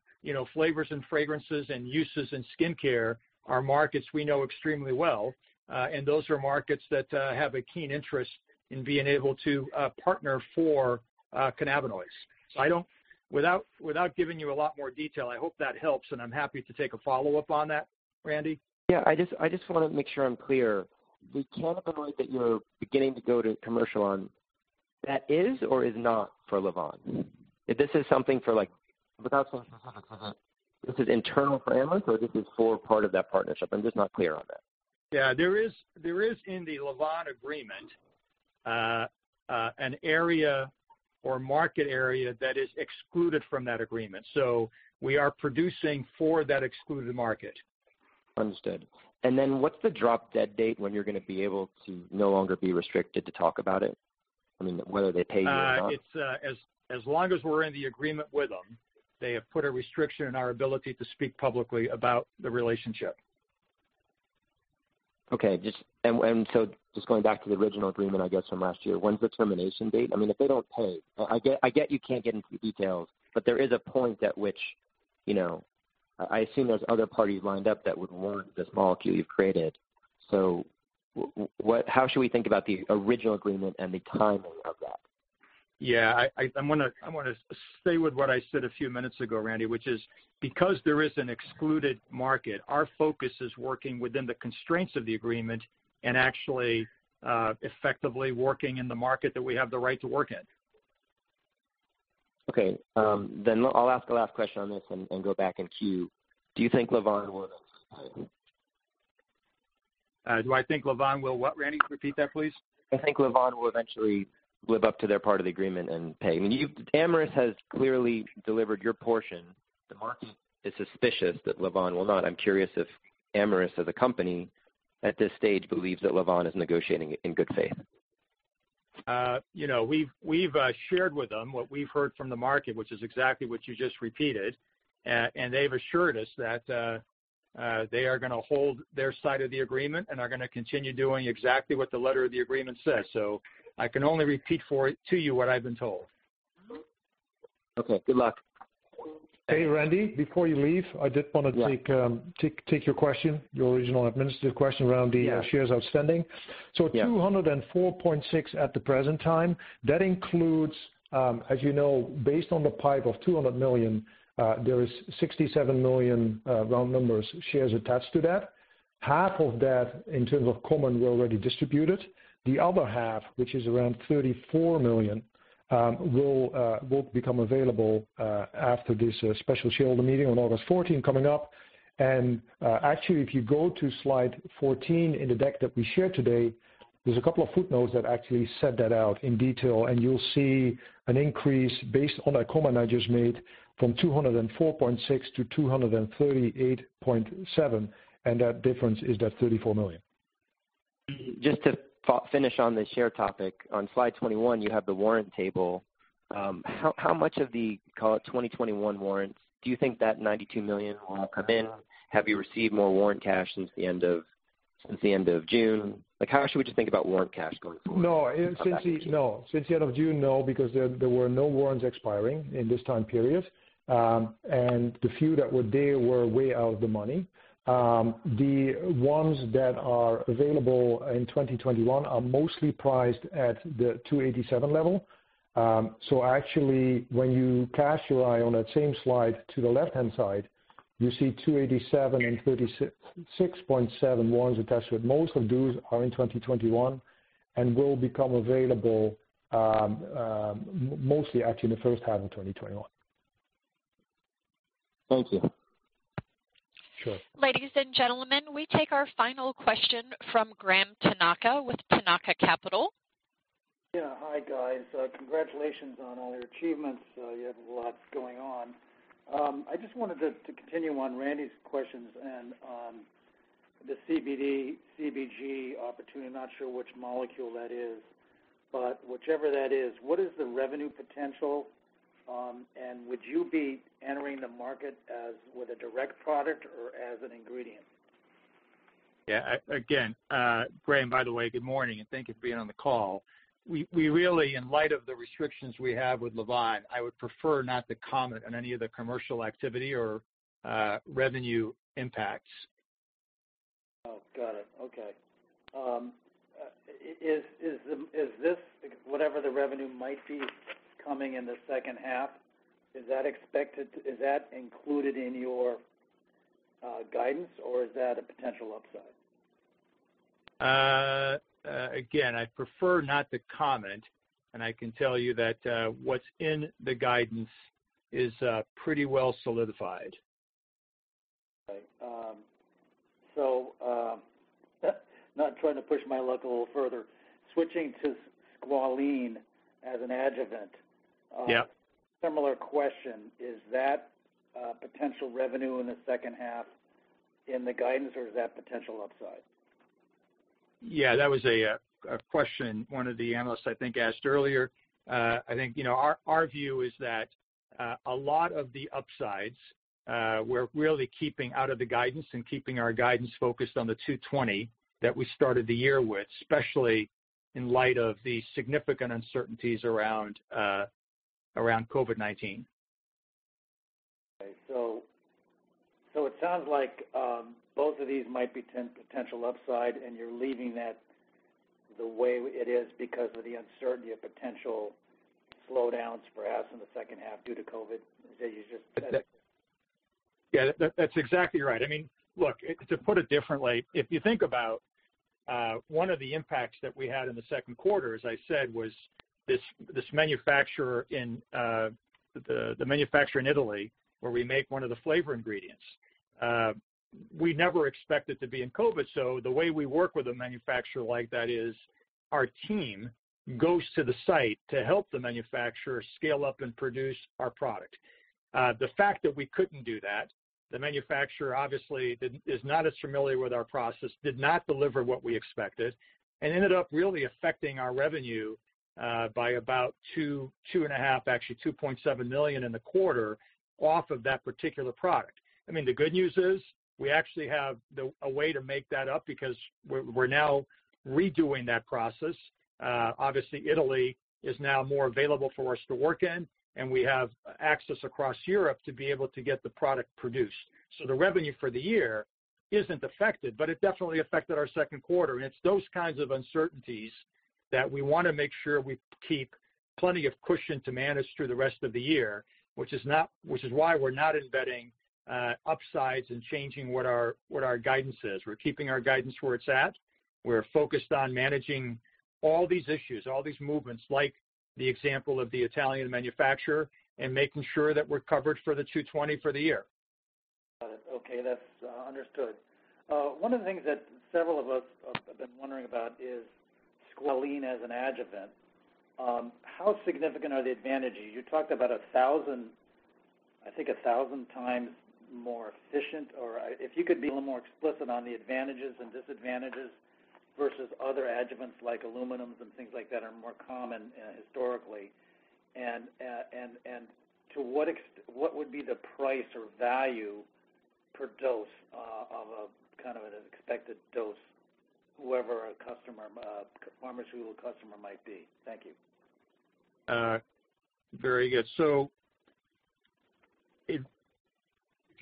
S3: flavors and fragrances and uses in skincare are markets we know extremely well, and those are markets that have a keen interest in being able to partner for cannabinoids. Without giving you a lot more detail, I hope that helps, and I'm happy to take a follow-up on that, Randy.
S8: Yeah, I just want to make sure I'm clear. The cannabinoid that you're beginning to go to commercial on, that is or is not for Lavvan? This is something for, without question, this is internal for Amyris or this is for part of that partnership? I'm just not clear on that.
S3: Yeah, there is in the Lavvan agreement an area or market area that is excluded from that agreement. So we are producing for that excluded market.
S8: Understood, and then what's the drop-dead date when you're going to be able to no longer be restricted to talk about it? I mean, whether they pay you or not?
S3: As long as we're in the agreement with them, they have put a restriction in our ability to speak publicly about the relationship.
S8: Okay. And so just going back to the original agreement, I guess, from last year, when's the termination date? I mean, if they don't pay, I get you can't get into the details, but there is a point at which I assume there's other parties lined up that would want this molecule you've created. So how should we think about the original agreement and the timing of that?
S3: Yeah, I want to stay with what I said a few minutes ago, Randy, which is because there is an excluded market, our focus is working within the constraints of the agreement and actually effectively working in the market that we have the right to work in.
S8: Okay. Then I'll ask the last question on this and go back and queue. Do you think Lavvan will?
S3: Do I think Lavvan will what, Randy? Repeat that, please.
S8: I think Lavvan will eventually live up to their part of the agreement and pay. I mean, Amyris has clearly delivered your portion. The market is suspicious that Lavvan will not. I'm curious if Amyris, as a company, at this stage, believes that Lavvan is negotiating in good faith?
S3: We've shared with them what we've heard from the market, which is exactly what you just repeated, and they've assured us that they are going to hold their side of the agreement and are going to continue doing exactly what the letter of the agreement says. So I can only repeat to you what I've been told.
S8: Okay. Good luck.
S5: Hey, Randy, before you leave, I did want to take your question, your original administrative question around the shares outstanding. So 204.6 at the present time. That includes, as you know, based on the PIPE of 200 million, there is 67 million round numbers, shares attached to that. Half of that, in terms of common, were already distributed. The other half, which is around 34 million, will become available after this special shareholder meeting on August 14 coming up. Actually, if you go to slide 14 in the deck that we shared today, there's a couple of footnotes that actually set that out in detail, and you'll see an increase based on a comment I just made from 204.6-238.7, and that difference is that 34 million.
S8: Just to finish on the share topic, on slide 21, you have the warrant table. How much of the, call it 2021 warrants? Do you think that 92 million will come in? Have you received more warrant cash since the end of June? How should we just think about warrant cash going forward?
S5: No, since the end of June, no, because there were no warrants expiring in this time period, and the few that were there were way out of the money. The ones that are available in 2021 are mostly priced at the 2.87 level. So actually, when you cast your eye on that same slide to the left-hand side, you see 2.87 and 36.7 warrants attached to it. Most of those are in 2021 and will become available mostly actually in the first half of 2021.
S8: Thank you.
S5: Sure.
S1: Ladies and gentlemen, we take our final question from Graham Tanaka with Tanaka Capital.
S9: Yeah, hi guys. Congratulations on all your achievements. You have a lot going on. I just wanted to continue on Randy's questions and on the CBD, CBG opportunity. I'm not sure which molecule that is, but whichever that is, what is the revenue potential? And would you be entering the market as with a direct product or as an ingredient?
S3: Yeah, again, Graham, by the way, good morning, and thank you for being on the call. In light of the restrictions we have with Lavvan, I would prefer not to comment on any of the commercial activity or revenue impacts.
S9: Oh, got it. Okay. Is this, whatever the revenue might be coming in the second half, is that included in your guidance, or is that a potential upside?
S3: Again, I prefer not to comment, and I can tell you that what's in the guidance is pretty well solidified.
S9: Okay. So not trying to push my luck a little further. Switching to squalene as an adjuvant, similar question. Is that potential revenue in the second half in the guidance, or is that potential upside?
S3: Yeah, that was a question one of the analysts, I think, asked earlier. I think our view is that a lot of the upsides, we're really keeping out of the guidance and keeping our guidance focused on the 220 that we started the year with, especially in light of the significant uncertainties around COVID-19.
S9: Okay. So it sounds like both of these might be potential upside, and you're leaving that the way it is because of the uncertainty of potential slowdowns, perhaps in the second half due to COVID, as you just said?
S3: Yeah, that's exactly right. I mean, look, to put it differently, if you think about one of the impacts that we had in the second quarter, as I said, was this manufacturer in Italy where we make one of the flavor ingredients. We never expected to be in COVID, so the way we work with a manufacturer like that is our team goes to the site to help the manufacturer scale up and produce our product. The fact that we couldn't do that, the manufacturer obviously is not as familiar with our process, did not deliver what we expected, and ended up really affecting our revenue by about $2.5 million, actually $2.7 million in the quarter off of that particular product. I mean, the good news is we actually have a way to make that up because we're now redoing that process. Obviously, Italy is now more available for us to work in, and we have access across Europe to be able to get the product produced. So the revenue for the year isn't affected, but it definitely affected our second quarter, and it's those kinds of uncertainties that we want to make sure we keep plenty of cushion to manage through the rest of the year, which is why we're not embedding upsides and changing what our guidance is. We're keeping our guidance where it's at. We're focused on managing all these issues, all these movements, like the example of the Italian manufacturer, and making sure that we're covered for the 220 for the year.
S9: Got it. Okay. That's understood. One of the things that several of us have been wondering about is squalene as an adjuvant. How significant are the advantages? You talked about, I think, 1,000x more efficient, or if you could be a little more explicit on the advantages and disadvantages versus other adjuvants like aluminums and things like that are more common historically. And to what would be the price or value per dose of kind of an expected dose, whoever a customer, pharmaceutical customer might be? Thank you.
S3: Very good. So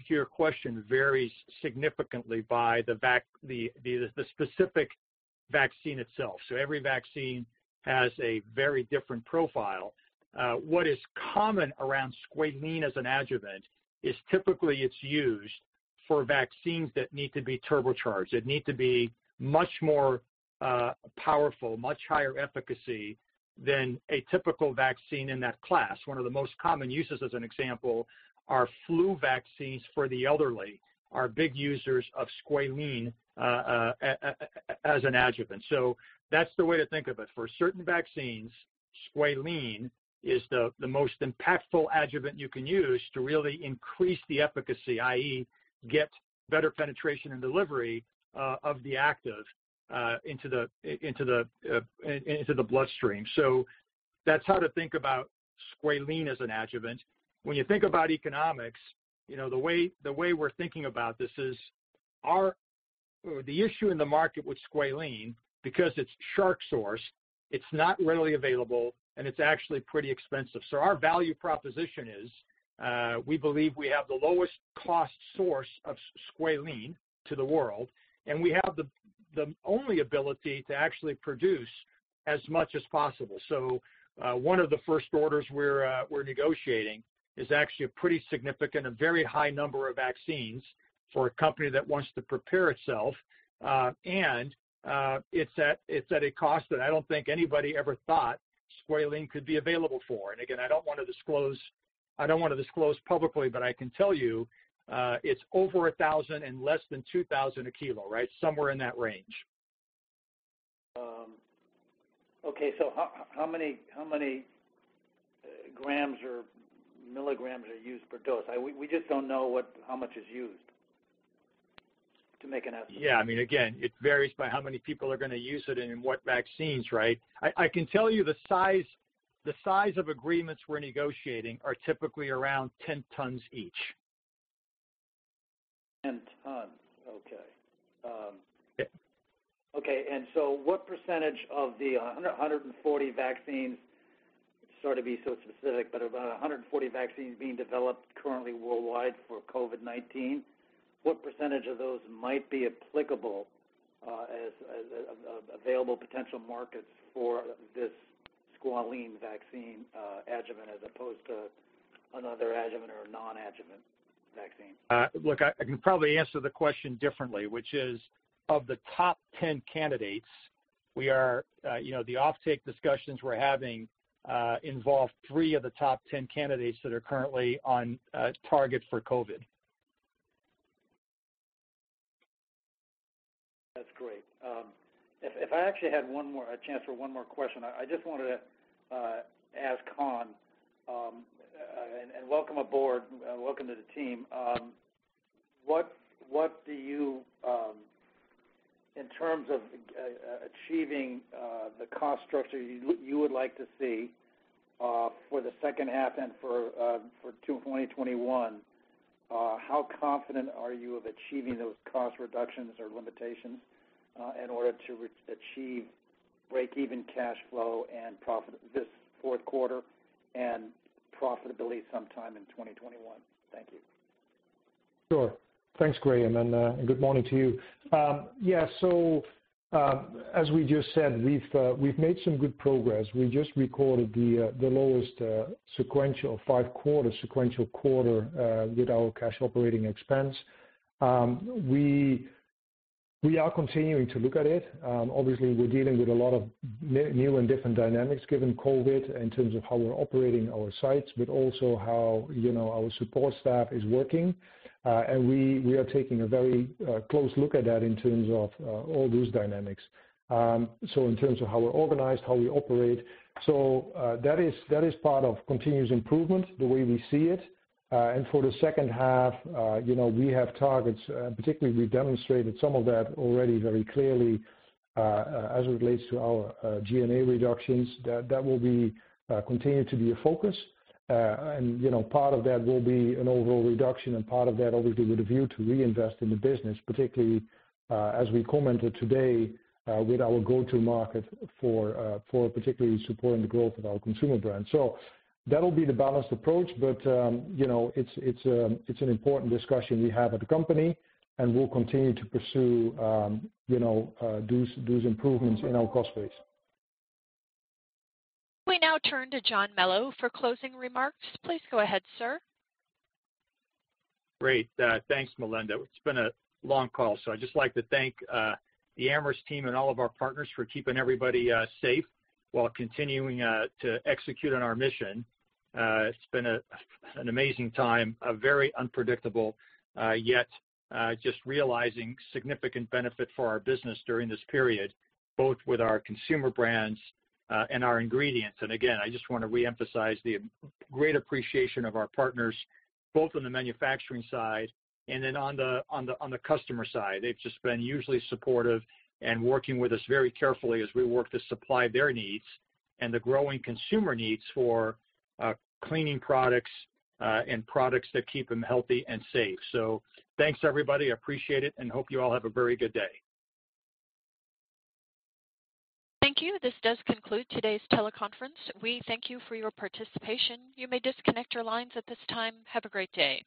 S3: your question varies significantly by the specific vaccine itself. So every vaccine has a very different profile. What is common around squalene as an adjuvant is typically it's used for vaccines that need to be turbocharged. It needs to be much more powerful, much higher efficacy than a typical vaccine in that class. One of the most common uses, as an example, are flu vaccines for the elderly are big users of squalene as an adjuvant. So that's the way to think of it. For certain vaccines, squalene is the most impactful adjuvant you can use to really increase the efficacy, i.e., get better penetration and delivery of the active into the bloodstream. So that's how to think about squalene as an adjuvant. When you think about economics, the way we're thinking about this is the issue in the market with squalene, because it's shark-sourced, it's not readily available, and it's actually pretty expensive. So our value proposition is we believe we have the lowest cost source of squalene to the world, and we have the only ability to actually produce as much as possible. So one of the first orders we're negotiating is actually a pretty significant and very high number of vaccines for a company that wants to prepare itself. And it's at a cost that I don't think anybody ever thought squalene could be available for. And again, I don't want to disclose publicly, but I can tell you it's over $1,000 and less than $2,000 a kilo, right? Somewhere in that range.
S9: Okay. So how many grams or milligrams are used per dose? We just don't know how much is used to make an estimate.
S3: Yeah. I mean, again, it varies by how many people are going to use it and in what vaccines, right? I can tell you the size of agreements we're negotiating are typically around 10 tons each.
S9: 10 tons. Okay. Okay. And so what percentage of the 140 vaccines, sorry to be so specific, but of 140 vaccines being developed currently worldwide for COVID-19, what percentage of those might be applicable as available potential markets for this squalene vaccine adjuvant as opposed to another adjuvant or non-adjuvant vaccine?
S3: Look, I can probably answer the question differently, which is of the top 10 candidates, the offtake discussions we're having involve three of the top 10 candidates that are currently on target for COVID.
S9: That's great. If I actually had a chance for one more question, I just wanted to ask Han and welcome aboard, welcome to the team. What do you, in terms of achieving the cost structure you would like to see for the second half and for 2021, how confident are you of achieving those cost reductions or limitations in order to achieve break-even cash flow this fourth quarter and profitability sometime in 2021? Thank you.
S5: Sure. Thanks, Graham. And good morning to you. Yeah. So as we just said, we've made some good progress. We just recorded the lowest sequential, five-quarter sequential quarter with our cash operating expense. We are continuing to look at it. Obviously, we're dealing with a lot of new and different dynamics given COVID in terms of how we're operating our sites, but also how our support staff is working. And we are taking a very close look at that in terms of all those dynamics. So in terms of how we're organized, how we operate. So that is part of continuous improvement, the way we see it. And for the second half, we have targets, and particularly we've demonstrated some of that already very clearly as it relates to our G&A reductions. That will continue to be a focus. And part of that will be an overall reduction, and part of that, obviously, with a view to reinvest in the business, particularly as we commented today with our go-to market for particularly supporting the growth of our consumer brand. So that'll be the balanced approach, but it's an important discussion we have at the company, and we'll continue to pursue those improvements in our cost base.
S1: We now turn to John Melo for closing remarks. Please go ahead, sir.
S3: Great. Thanks, Melinda. It's been a long call, so I'd just like to thank the Amyris team and all of our partners for keeping everybody safe while continuing to execute on our mission. It's been an amazing time, a very unpredictable, yet just realizing significant benefit for our business during this period, both with our consumer brands and our ingredients. And again, I just want to reemphasize the great appreciation of our partners, both on the manufacturing side and then on the customer side. They've just been unusually supportive and working with us very carefully as we work to supply their needs and the growing consumer needs for cleaning products and products that keep them healthy and safe. So thanks, everybody. I appreciate it and hope you all have a very good day.
S1: Thank you. This does conclude today's teleconference. We thank you for your participation. You may disconnect your lines at this time. Have a great day.